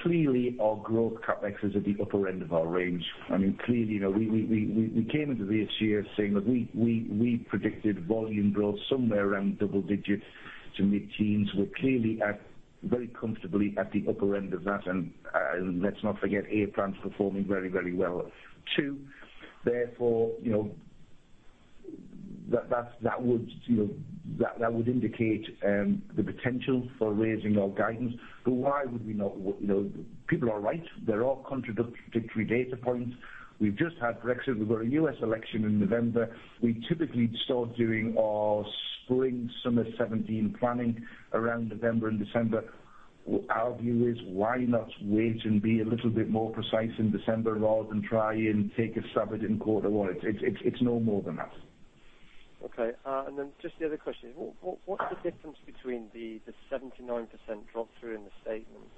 Clearly, our growth CapEx is at the upper end of our range. Clearly, we came into this year saying that we predicted volume growth somewhere around double digits to mid-teens. We're clearly very comfortably at the upper end of that. Let's not forget, A-Plant is performing very well, too. Therefore, that would indicate the potential for raising our guidance. Why would we not? People are right. There are contradictory data points. We've just had Brexit. We've got a U.S. election in November. We typically start doing our spring, summer 2017 planning around November and December. Our view is why not wait and be a little bit more precise in December rather than try and take a stab at it in quarter one. It's no more than that. Then just the other question. What's the difference between the 79% drop-through in the statement,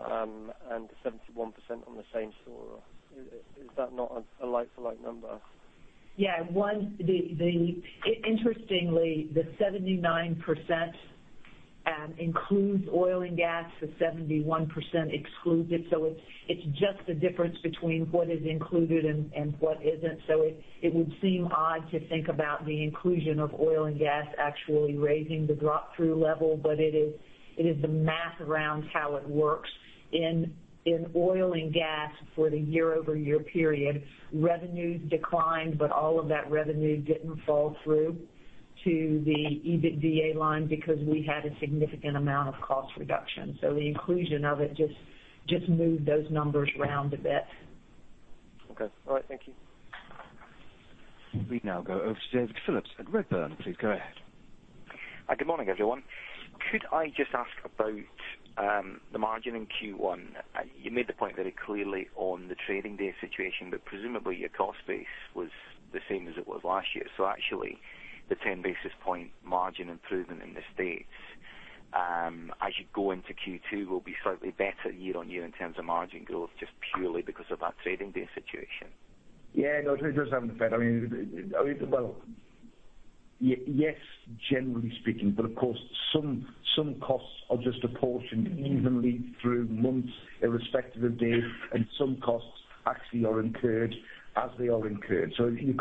and the 71% on the same store? Is that not a like-for-like number? Interestingly, the 79% includes oil and gas. The 71% excludes it. It is just the difference between what is included and what isn't. It would seem odd to think about the inclusion of oil and gas actually raising the drop-through level. But it is the math around how it works. In oil and gas for the year-over-year period, revenues declined, but all of that revenue didn't fall through to the EBITDA line because we had a significant amount of cost reduction. The inclusion of it just moved those numbers around a bit. Okay. All right. Thank you. We now go over to David Phillips at Redburn. Please go ahead. Good morning, everyone. Could I just ask about the margin in Q1? You made the point very clearly on the trading day situation, presumably, your cost base was the same as it was last year. Actually, the 10 basis point margin improvement in the States as you go into Q2 will be slightly better year-on-year in terms of margin growth, just purely because of that trading day situation. No, it does have an effect. Yes, generally speaking, but of course, some costs are just apportioned evenly through months irrespective of days, and some costs actually are incurred as they are incurred. You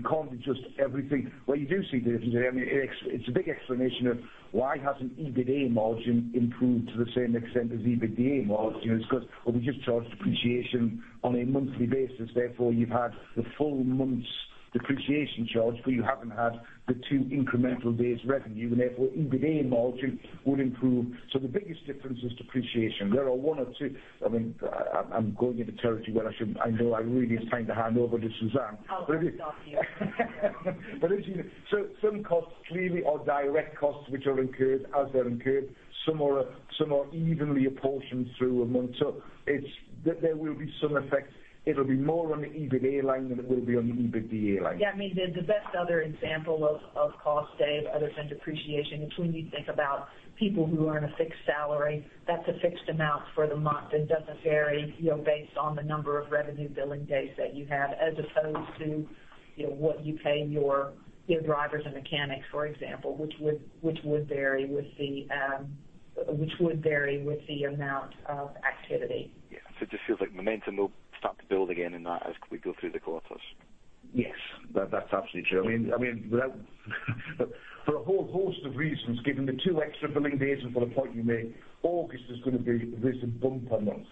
can't adjust everything. You do see the difference. It's a big explanation of why hasn't EBITA margin improved to the same extent as EBITDA margin. It's because we just charge depreciation on a monthly basis, therefore you've had the full month's depreciation charge, but you haven't had the two incremental days revenue, and therefore EBITA margin would improve. The biggest difference is depreciation. There are one or two, I'm going into territory where I know I really am trying to hand over to Suzanne. I'll stop you. Some costs clearly are direct costs which are incurred as they're incurred. Some are evenly apportioned through a month. There will be some effect. It'll be more on the EBITA line than it will be on the EBITDA line. The best other example of cost, Dave, other than depreciation, it's when you think about people who are on a fixed salary. That's a fixed amount for the month. It doesn't vary based on the number of revenue billing days that you have, as opposed to what you pay your drivers and mechanics, for example, which would vary with the amount of activity. It just feels like momentum will start to build again in that as we go through the quarters. Yes. That's absolutely true. For a whole host of reasons, given the two extra billing days and for the point you made, August is going to be this bumper month.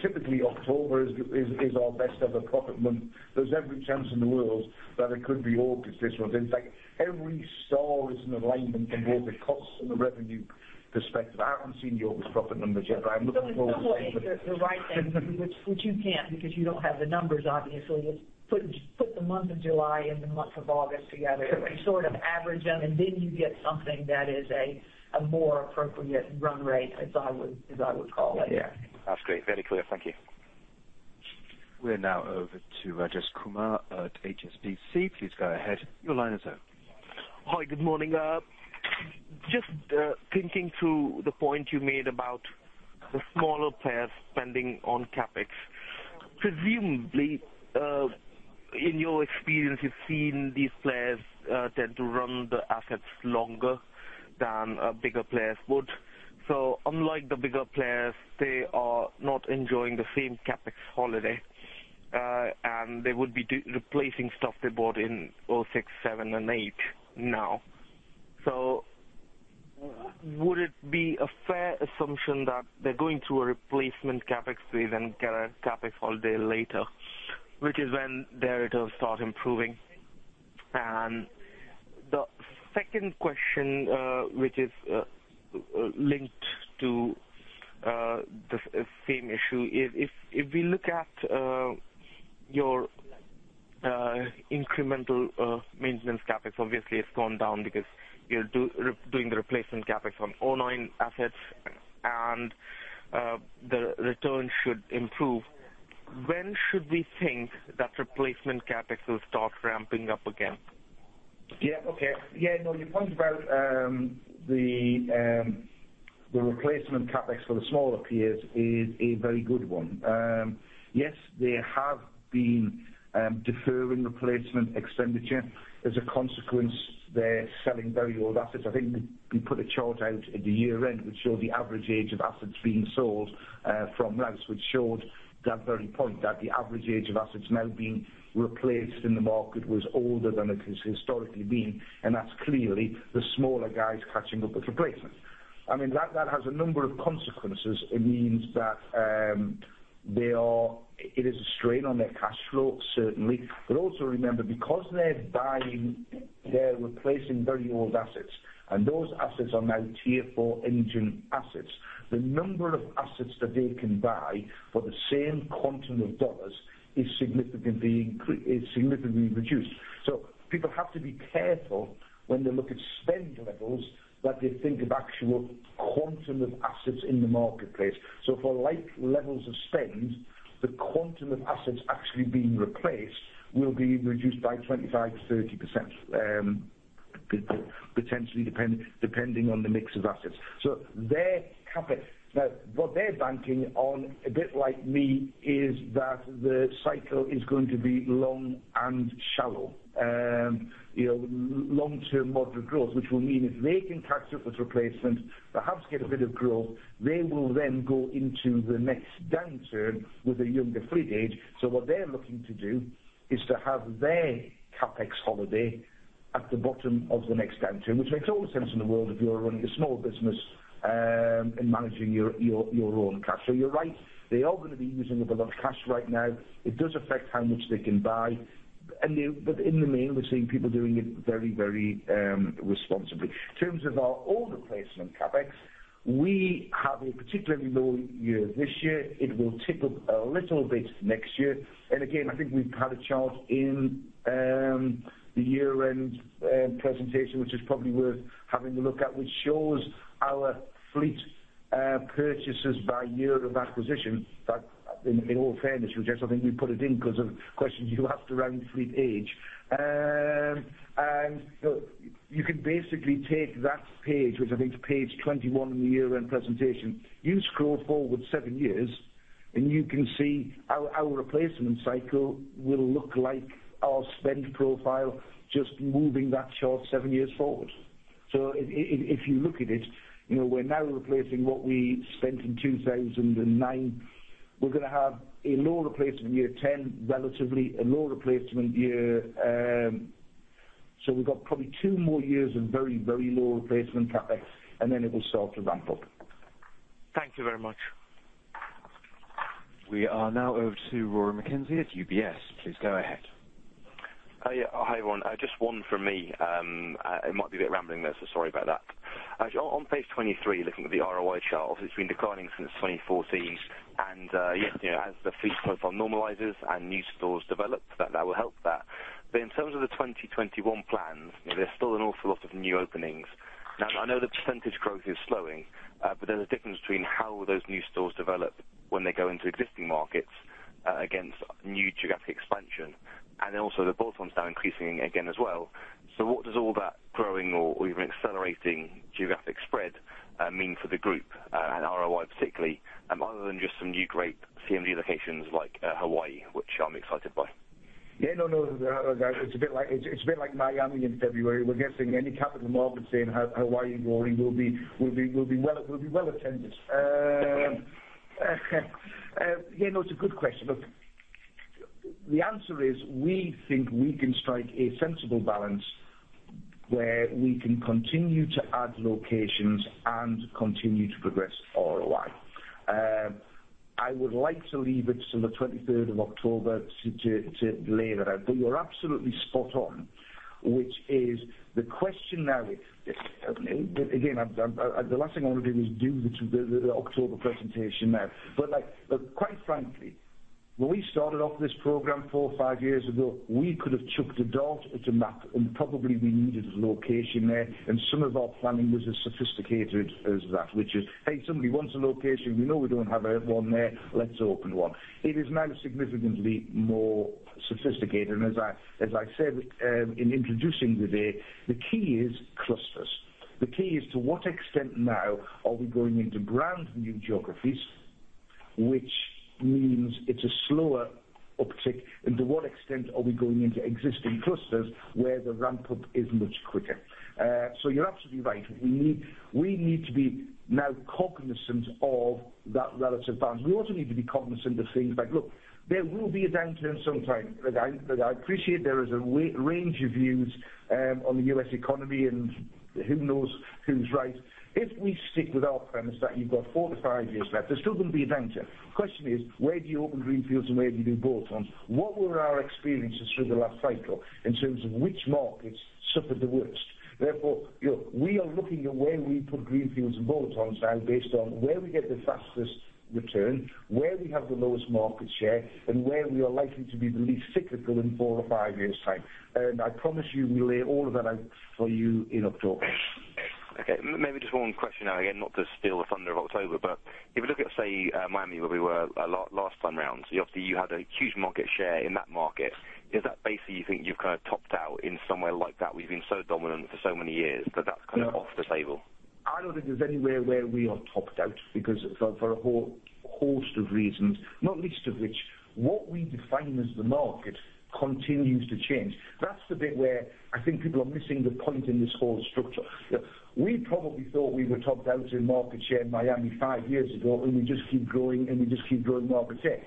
Typically, October is our best ever profit month. There's every chance in the world that it could be August this one. In fact, every star is in alignment from both a cost and a revenue perspective. I haven't seen the August profit numbers yet, but I'm looking forward to it. In some ways, the right thing, which you can't because you don't have the numbers, obviously, is put the month of July and the month of August together and sort of average them, and then you get something that is a more appropriate run rate, as I would call it. Yeah. That's great. Very clear. Thank you. We're now over to Rajesh Kumar at HSBC. Please go ahead. Your line is open. Hi. Good morning. Just thinking through the point you made about the smaller players spending on CapEx. Presumably, in your experience, you've seen these players tend to run the assets longer than bigger players would. Unlike the bigger players, they are not enjoying the same CapEx holiday. They would be replacing stuff they bought in 2006, 2007, and 2008 now. Would it be a fair assumption that they're going through a replacement CapEx phase and get a CapEx holiday later, which is when their returns start improving? The second question, which is linked to the same issue. If we look at your incremental maintenance CapEx, obviously it's gone down because you're doing the replacement CapEx on online assets and the return should improve. When should we think that replacement CapEx will start ramping up again? Yeah. Okay. Your point about the replacement CapEx for the smaller peers is a very good one. Yes, they have been deferring replacement expenditure. As a consequence, they're selling very old assets. I think we put a chart out at the year-end, which showed the average age of assets being sold from Rouse, which showed that very point, that the average age of assets now being replaced in the market was older than it has historically been, and that's clearly the smaller guys catching up with replacements. That has a number of consequences. It means that it is a strain on their cash flow, certainly. Also remember, because they're replacing very old assets, and those assets are now Tier 4 engine assets, the number of assets that they can buy for the same quantum of dollars is significantly reduced. People have to be careful when they look at spend levels, that they think of actual quantum of assets in the marketplace. For like levels of spend, the quantum of assets actually being replaced will be reduced by 25%-30%. Potentially depending on the mix of assets. What they're banking on, a bit like me, is that the cycle is going to be long and shallow. Long-term moderate growth, which will mean if they can catch up with replacement, perhaps get a bit of growth, they will then go into the next downturn with a younger fleet age. What they're looking to do is to have their CapEx holiday at the bottom of the next downturn, which makes all the sense in the world if you are running a small business and managing your own cash. You're right. They are going to be using up a lot of cash right now. It does affect how much they can buy. In the main, we're seeing people doing it very responsibly. In terms of our older placement CapEx, we have a particularly low year this year. It will tick up a little bit next year. Again, I think we've had a chart in the year-end presentation, which is probably worth having a look at, which shows our fleet purchases by year of acquisition. That in all fairness, which I think we put it in because of questions you asked around fleet age. You can basically take that page, which I think is page 21 in the year-end presentation. You scroll forward seven years, and you can see our replacement cycle will look like our spend profile just moving that chart seven years forward. If you look at it, we're now replacing what we spent in 2009. We're going to have a low replacement year 2010, relatively, a low replacement year. We've got probably two more years of very low replacement CapEx, and then it will start to ramp up. Thank you very much. We are now over to Rory McKenzie at UBS. Please go ahead. Hi, Geoff. Just one from me. It might be a bit rambling though, so sorry about that. Actually, on page 23, looking at the ROI chart, it has been declining since 2014 and as the fleet profile normalizes and new stores develop that will help that. In terms of the 2021 plans, there is still an awful lot of new openings. I know the percentage growth is slowing, but there is a difference between how those new stores develop when they go into existing markets against new geographic expansion, and also the bolt-ons now increasing again as well. What does all that growing or even accelerating geographic spread mean for the group and ROI particularly other than just some new great CMD locations like Hawaii, which I am excited by? No. It is a bit like Miami in February. We are guessing any capital market saying Hawaii will be well attended. It is a good question. The answer is we think we can strike a sensible balance where we can continue to add locations and continue to progress ROI. I would like to leave it to the 23rd of October to lay that out. You are absolutely spot on, which is the question now is the last thing I want to do is do the October presentation now. Quite frankly, when we started off this program four or five years ago, we could have chucked a dart at a map and probably be near the location there, and some of our planning was as sophisticated as that. Which is, hey, somebody wants a location. We know we do not have one there; let us open one. It is now significantly more sophisticated, and as I said in introducing today, the key is clusters. The key is to what extent now are we going into brand-new geographies, which means it is a slower uptick, and to what extent are we going into existing clusters where the ramp-up is much quicker? You are absolutely right. We need to be now cognizant of that relative balance. We also need to be cognizant of things like there will be a downturn sometime. I appreciate there is a range of views on the U.S. economy, and who knows who is right. If we stick with our premise that you have got four to five years left, there is still going to be a downturn. Question is, where do you open greenfields and where do you do bolt-ons? What were our experiences through the last cycle in terms of which markets suffered the worst? We are looking at where we put greenfields and bolt-ons now based on where we get the fastest return, where we have the lowest market share, and where we are likely to be the least cyclical in four or five years' time. I promise you we lay all of that out for you in October. Maybe just one question now. Not to steal the thunder of October, but if you look at, say, Miami, where we were last time around, obviously you had a huge market share in that market. Is that basically you think you've kind of topped out in somewhere like that where you've been so dominant for so many years that's kind of off the table? I don't think there's anywhere where we are topped out because for a whole host of reasons, not least of which, what we define as the market continues to change. That's the bit where I think people are missing the point in this whole structure. We probably thought we were topped out in market share in Miami five years ago, and we just keep growing and we just keep growing market share.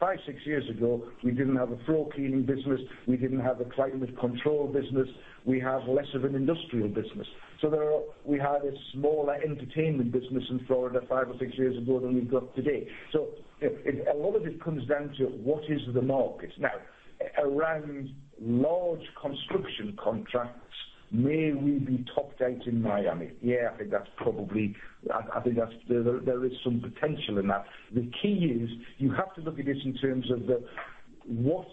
Five, six years ago, we didn't have a floor cleaning business. We didn't have a climate control business. We have less of an industrial business. We had a smaller entertainment business in Florida five or six years ago than we've got today. A lot of it comes down to what is the market. Around large construction contracts, may we be topped out in Miami? Yeah, I think there is some potential in that. The key is you have to look at this in terms of what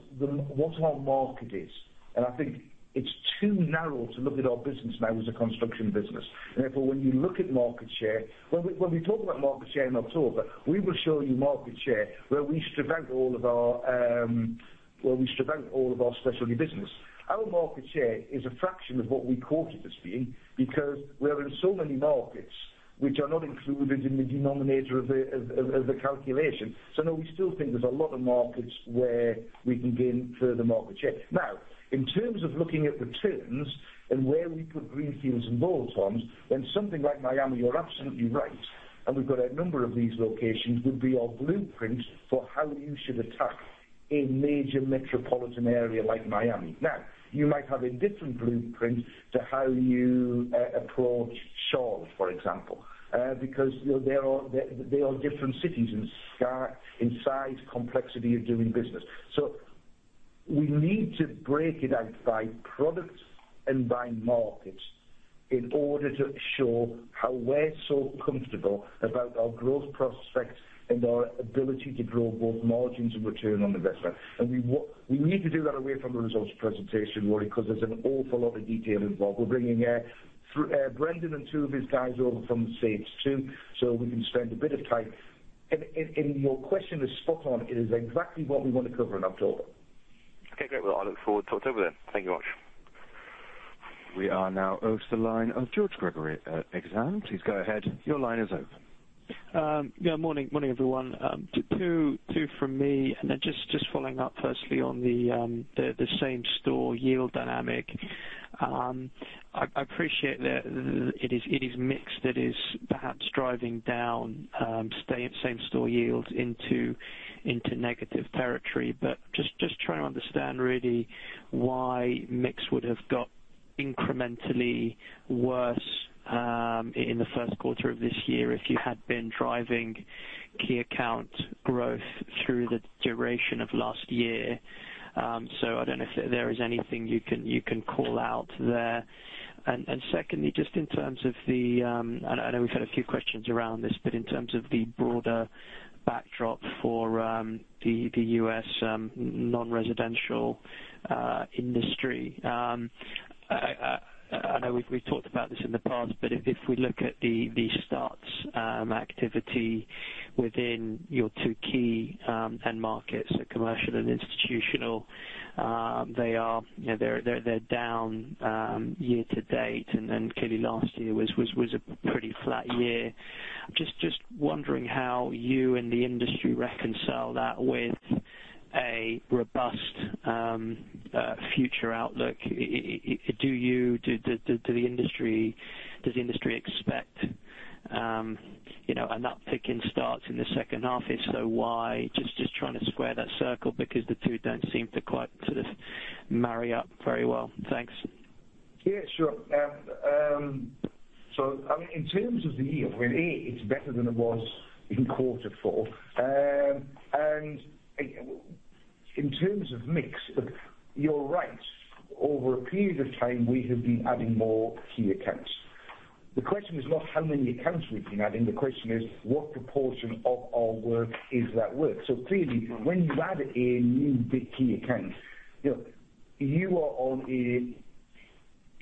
our market is, and I think it's too narrow to look at our business now as a construction business. When you look at market share, when we talk about market share in October, we will show you market share where we strip out all of our specialty business. Our market share is a fraction of what we quote it as being, because we are in so many markets which are not included in the denominator of the calculation. No, we still think there's a lot of markets where we can gain further market share. In terms of looking at returns and where we put greenfields and bolt-ons, when something like Miami, you're absolutely right, and we've got a number of these locations, would be our blueprints for how you should attack a major metropolitan area like Miami. You might have a different blueprint to how you approach Seoul, for example, because they are different cities in size, complexity of doing business. We need to break it out by products and by markets in order to show how we're so comfortable about our growth prospects and our ability to grow both margins and return on investment. We need to do that away from the results presentation, Rory, because there's an awful lot of detail involved. We're bringing Brendan and two of his guys over from the States too, so we can spend a bit of time. Your question is spot on. It is exactly what we want to cover in October. Okay, great. Well, I look forward to October then. Thank you much. We are now over to the line of George Gregory at Exane. Please go ahead. Your line is open. Morning, everyone. Two from me, then just following up firstly on the same-store yield dynamic. I appreciate that it is mixed. It is perhaps driving down same-store yields into negative territory. Just trying to understand really why mix would have got incrementally worse in the first quarter of this year if you had been driving key account growth through the duration of last year. I don't know if there is anything you can call out there. Secondly, just in terms of I know we've had a few questions around this, but in terms of the broader backdrop for the U.S. non-residential industry. I know we've talked about this in the past, if we look at the starts activity within your two key end markets, the commercial and institutional, they're down year-to-date, clearly last year was a pretty flat year. Just wondering how you and the industry reconcile that with a robust future outlook. Do you, do the industry expect an upticking starts in the second half? If so, why? Just trying to square that circle because the two don't seem to quite sort of marry up very well. Thanks. Yeah, sure. In terms of the yield, well, A, it's better than it was in quarter four. In terms of mix, look, you're right. Over a period of time, we have been adding more key accounts. The question is not how many accounts we've been adding, the question is what proportion of our work is that work? Clearly, when you add a new big key account, you are on a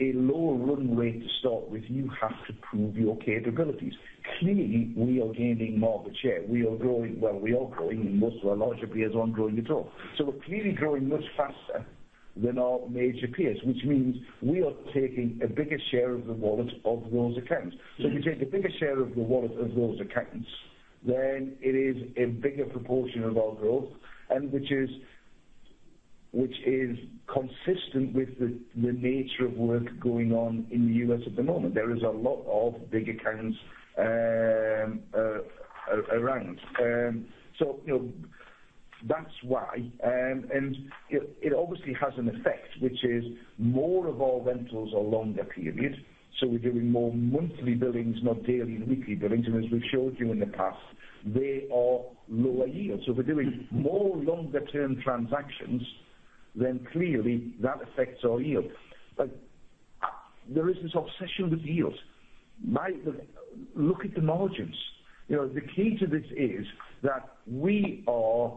low runway to start with. You have to prove your capabilities. Clearly, we are gaining market share. We are growing. Well, we are growing, and most of our larger peers aren't growing at all. We're clearly growing much faster than our major peers, which means we are taking a bigger share of the wallet of those accounts. If you take a bigger share of the wallet of those accounts, it is a bigger proportion of our growth, which is consistent with the nature of work going on in the U.S. at the moment. There is a lot of big accounts around. That's why. It obviously has an effect, which is more of our rentals are longer period, so we're doing more monthly billings, not daily and weekly billings. As we've showed you in the past, they are lower yield. If we're doing more longer-term transactions, clearly that affects our yield. There is this obsession with yields. Look at the margins. The key to this is that we are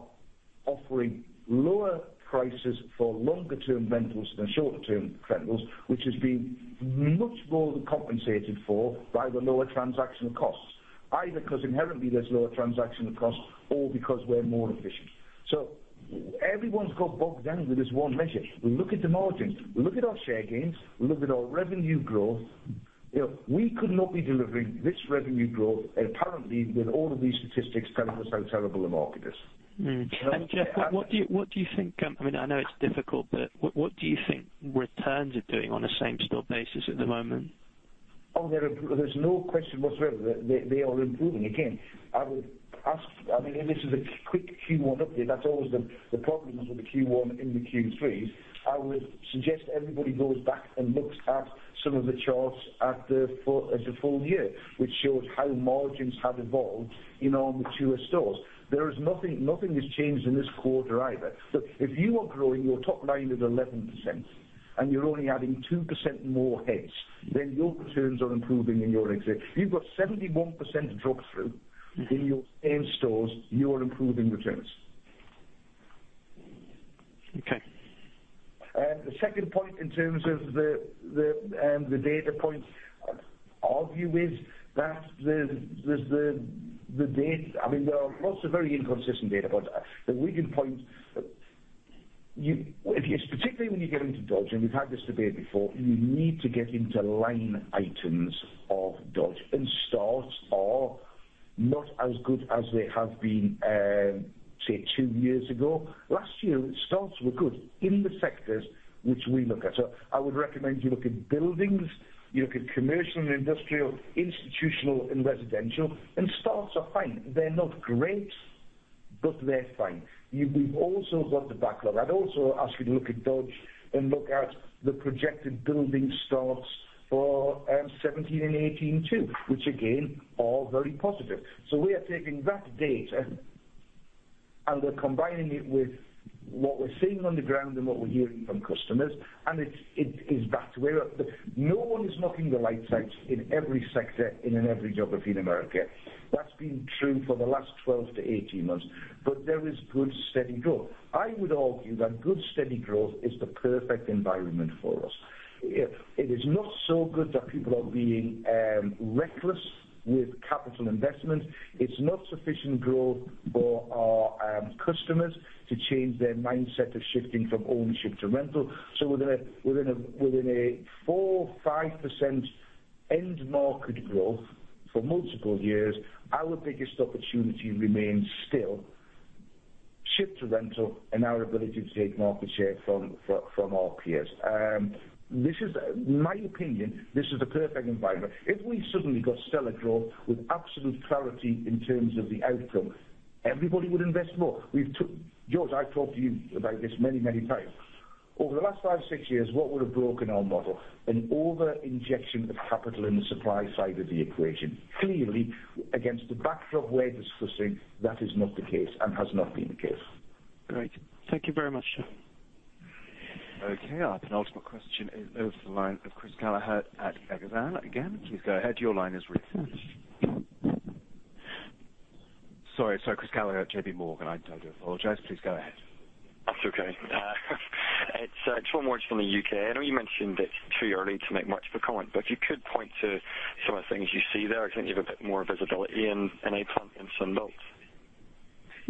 offering lower prices for longer-term rentals than shorter-term rentals, which is being much more than compensated for by the lower transactional costs, either because inherently there's lower transactional costs or because we're more efficient. Everyone's got bogged down with this one measure. Look at the margins. Look at our share gains. Look at our revenue growth. We could not be delivering this revenue growth, apparently, with all of these statistics telling us how terrible the market is. Jeff, what do you think, I know it's difficult, but what do you think returns are doing on a same-store basis at the moment? There's no question whatsoever that they are improving. I would ask, this is a quick Q1 update. That's always the problem with the Q1 and the Q3s. I would suggest everybody goes back and looks at some of the charts at the full year, which shows how margins have evolved in our mature stores. Nothing has changed in this quarter either. Look, if you are growing your top line at 11% and you're only adding 2% more heads, then your returns are improving in your exit. You've got 71% drop-through. In your same stores, you're improving returns. Okay. The second point in terms of the data points, our view is that there are lots of very inconsistent data. The weakened point, particularly when you get into Dodge, and we've had this debate before, you need to get into line items of Dodge, and starts are not as good as they have been say two years ago. Last year, starts were good in the sectors which we look at. I would recommend you look at buildings, you look at commercial and industrial, institutional and residential, and starts are fine. They're not great, but they're fine. You've also got the backlog. I'd also ask you to look at Dodge and look at the projected building starts for 2017 and 2018 too, which again, are very positive. We are taking that data, and we're combining it with what we're seeing on the ground and what we're hearing from customers, and it is that way. No one is knocking the lights out in every sector, in every geography in America. That's been true for the last 12 to 18 months, there is good, steady growth. I would argue that good, steady growth is the perfect environment for us. It is not so good that people are being reckless with capital investment. It's not sufficient growth for our customers to change their mindset of shifting from ownership to rental. Within a 4%, 5% end market growth for multiple years, our biggest opportunity remains still shift to rental and our ability to take market share from our peers. In my opinion, this is the perfect environment. If we suddenly got stellar growth with absolute clarity in terms of the outcome, everybody would invest more. George, I've talked to you about this many times. Over the last five, six years, what would have broken our model? An overinjection of capital in the supply side of the equation. Clearly, against the backdrop we're discussing, that is not the case and has not been the case. Great. Thank you very much. Okay. Our penultimate question is the line of Chris Callahan at Exane again. Please go ahead. Your line is open. Sorry, Chris Callahan, J.P. Morgan. I do apologize. Please go ahead. That's okay. It's Tom Morgan from the U.K. I know you mentioned it's too early to make much of a comment, but if you could point to some of the things you see there. I think you have a bit more visibility in A-Plant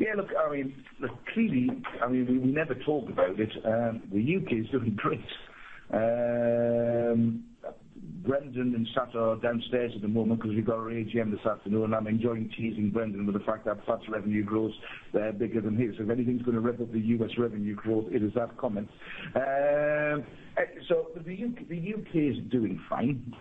and Sunbelt. Clearly, we never talk about it. The U.K. is doing great. Brendan and Sat are downstairs at the moment because we've got our AGM this afternoon. I'm enjoying teasing Brendan with the fact that Sat's revenue growth's bigger than his. If anything's going to rip up the U.S. revenue growth, it is that comment. The U.K. is doing fine.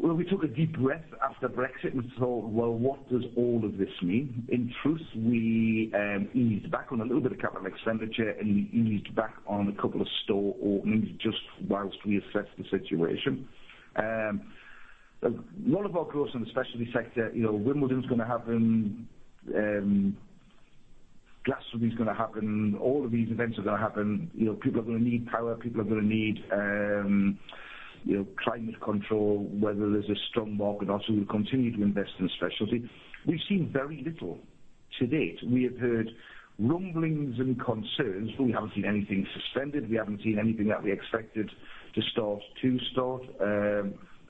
We took a deep breath after Brexit and thought, "Well, what does all of this mean?" In truth, we eased back on a little bit of capital expenditure and eased back on a couple of store openings just whilst we assess the situation. A lot of our growth in the specialty sector, Wimbledon is going to happen, Glastonbury is going to happen. All of these events are going to happen. People are going to need power, people are going to need climate control, whether there's a strong market or not, we continue to invest in specialty. We've seen very little to date. We have heard rumblings and concerns, we haven't seen anything suspended. We haven't seen anything that we expected to start to start,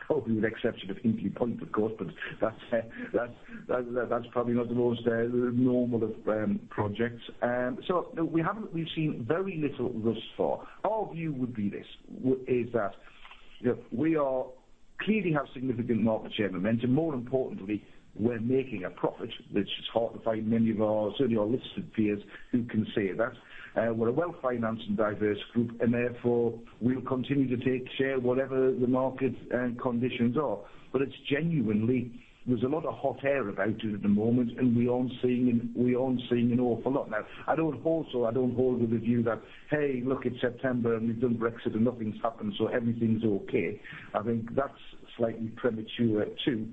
probably with the exception of Hinkley Point, of course, that's probably not the most normal of projects. We've seen very little thus far. Our view would be this, is that we clearly have significant market share momentum. More importantly, we're making a profit, which is hard to find many of our, certainly our listed peers, who can say that. We're a well-financed and diverse group, therefore, we'll continue to take share whatever the market conditions are. Genuinely, there's a lot of hot air about it at the moment, and we aren't seeing an awful lot. I don't hold with the view that, hey, look, it's September, we've done Brexit and nothing's happened, everything's okay. I think that's slightly premature too.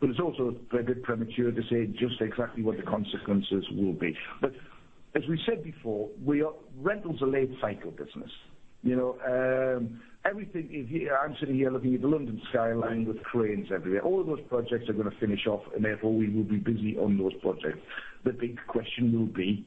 It's also a bit premature to say just exactly what the consequences will be. As we said before, rental is a late cycle business. I'm sitting here looking at the London skyline with cranes everywhere. All of those projects are going to finish off, therefore, we will be busy on those projects. The big question will be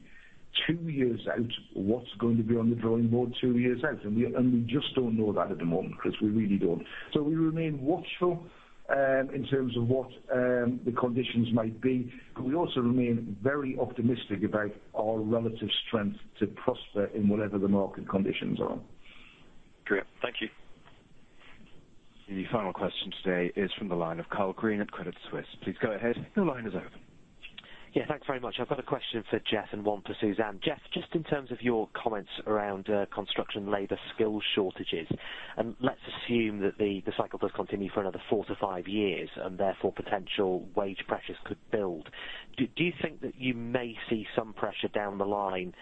two years out, what's going to be on the drawing board two years out? We just don't know that at the moment, Chris. We really don't. We remain watchful in terms of what the conditions might be, we also remain very optimistic about our relative strength to prosper in whatever the market conditions are. Great. Thank you. The final question today is from the line of Karl Green at Credit Suisse. Please go ahead. Your line is open. Yeah, thanks very much. I've got a question for Geoff and one for Suzanne. Geoff, just in terms of your comments around construction labor skill shortages, and let's assume that the cycle does continue for another four to five years, and therefore potential wage pressures could build. Do you think that you may see some pressure down the line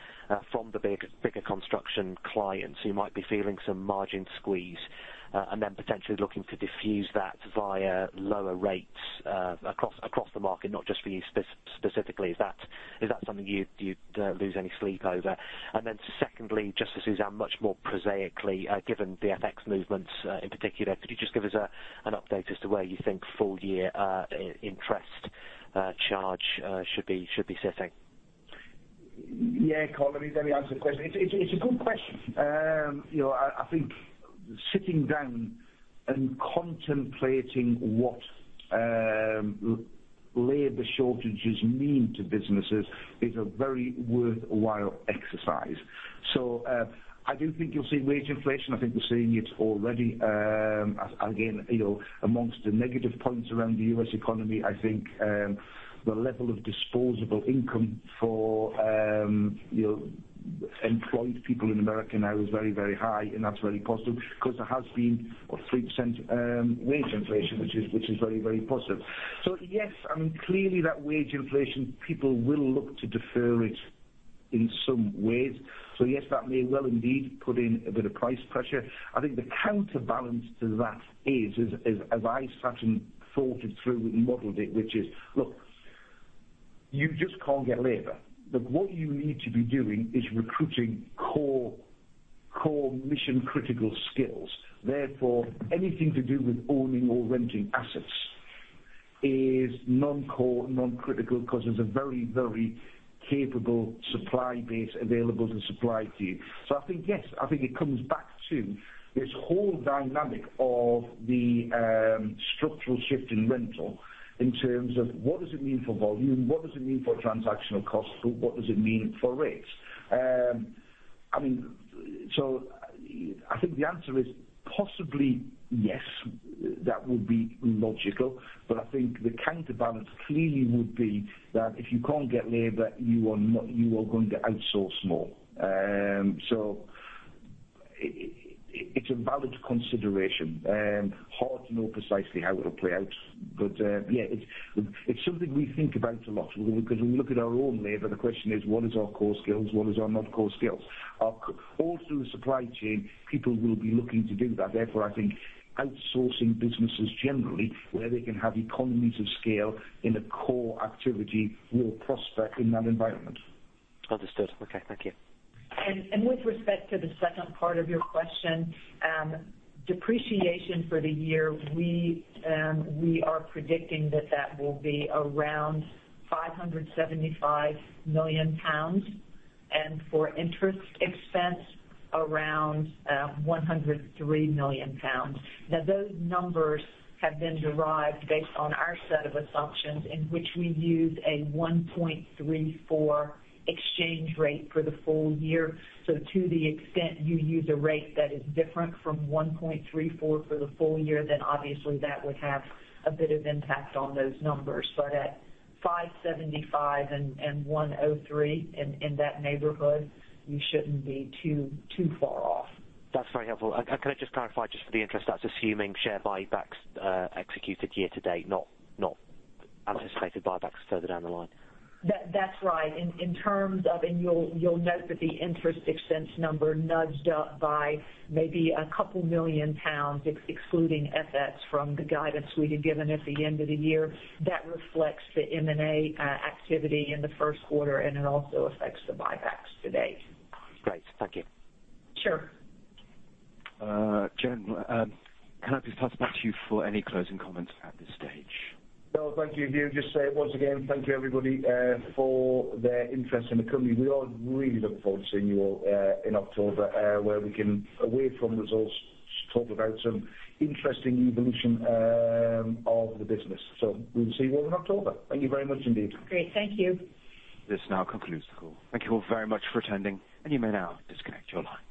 from the bigger construction clients who might be feeling some margin squeeze, and then potentially looking to diffuse that via lower rates across the market, not just for you specifically? Is that something you lose any sleep over? And then secondly, just to Suzanne, much more prosaically, given the FX movements in particular, could you just give us an update as to where you think full year interest charge should be sitting? Yeah, Karl, let me answer the question. It's a good question. I think sitting down and contemplating what labor shortages mean to businesses is a very worthwhile exercise. I do think you'll see wage inflation. I think we're seeing it already. Again, amongst the negative points around the U.S. economy, I think the level of disposable income for employed people in America now is very high, and that's very positive because there has been a 3% wage inflation, which is very positive. Yes, I mean, clearly that wage inflation, people will look to defer it in some ways. Yes, that may well indeed put in a bit of price pressure. I think the counterbalance to that is, as I sat and thought it through and modeled it, which is, look, you just can't get labor. Look, what you need to be doing is recruiting core mission-critical skills. Anything to do with owning or renting assets is non-core, non-critical because there's a very capable supply base available to supply to you. I think, yes, I think it comes back to this whole dynamic of the structural shift in rental in terms of what does it mean for volume, what does it mean for transactional cost, what does it mean for rates? I think the answer is possibly yes, that would be logical. I think the counterbalance clearly would be that if you can't get labor, you are going to outsource more. It's a valid consideration. Hard to know precisely how it'll play out. Yeah, it's something we think about a lot because we look at our own labor. The question is, what is our core skills? What is our non-core skills? All through the supply chain, people will be looking to do that. I think outsourcing businesses generally where they can have economies of scale in a core activity will prosper in that environment. Understood. Okay. Thank you. With respect to the second part of your question, depreciation for the year, we are predicting that that will be around 575 million pounds. For interest expense, around 103 million pounds. Those numbers have been derived based on our set of assumptions in which we use a 1.34 exchange rate for the full year. To the extent you use a rate that is different from 1.34 for the full year, then obviously that would have a bit of impact on those numbers. At 575 and 103, in that neighborhood, you shouldn't be too far off. That's very helpful. Can I just clarify just for the interest, that's assuming share buybacks executed year to date, not anticipated buybacks further down the line. That's right. You'll note that the interest expense number nudged up by maybe a GBP couple million, excluding FX from the guidance we had given at the end of the year. That reflects the M&A activity in the first quarter, and it also affects the buybacks to date. Great. Thank you. Sure. Jane, can I just pass back to you for any closing comments at this stage? No, thank you. [Hugh], just say it once again, thank you everybody for their interest in the company. We are really looking forward to seeing you all in October where we can, away from results, talk about some interesting evolution of the business. We will see you all in October. Thank you very much indeed. Great. Thank you. This now concludes the call. Thank you all very much for attending, and you may now disconnect your lines.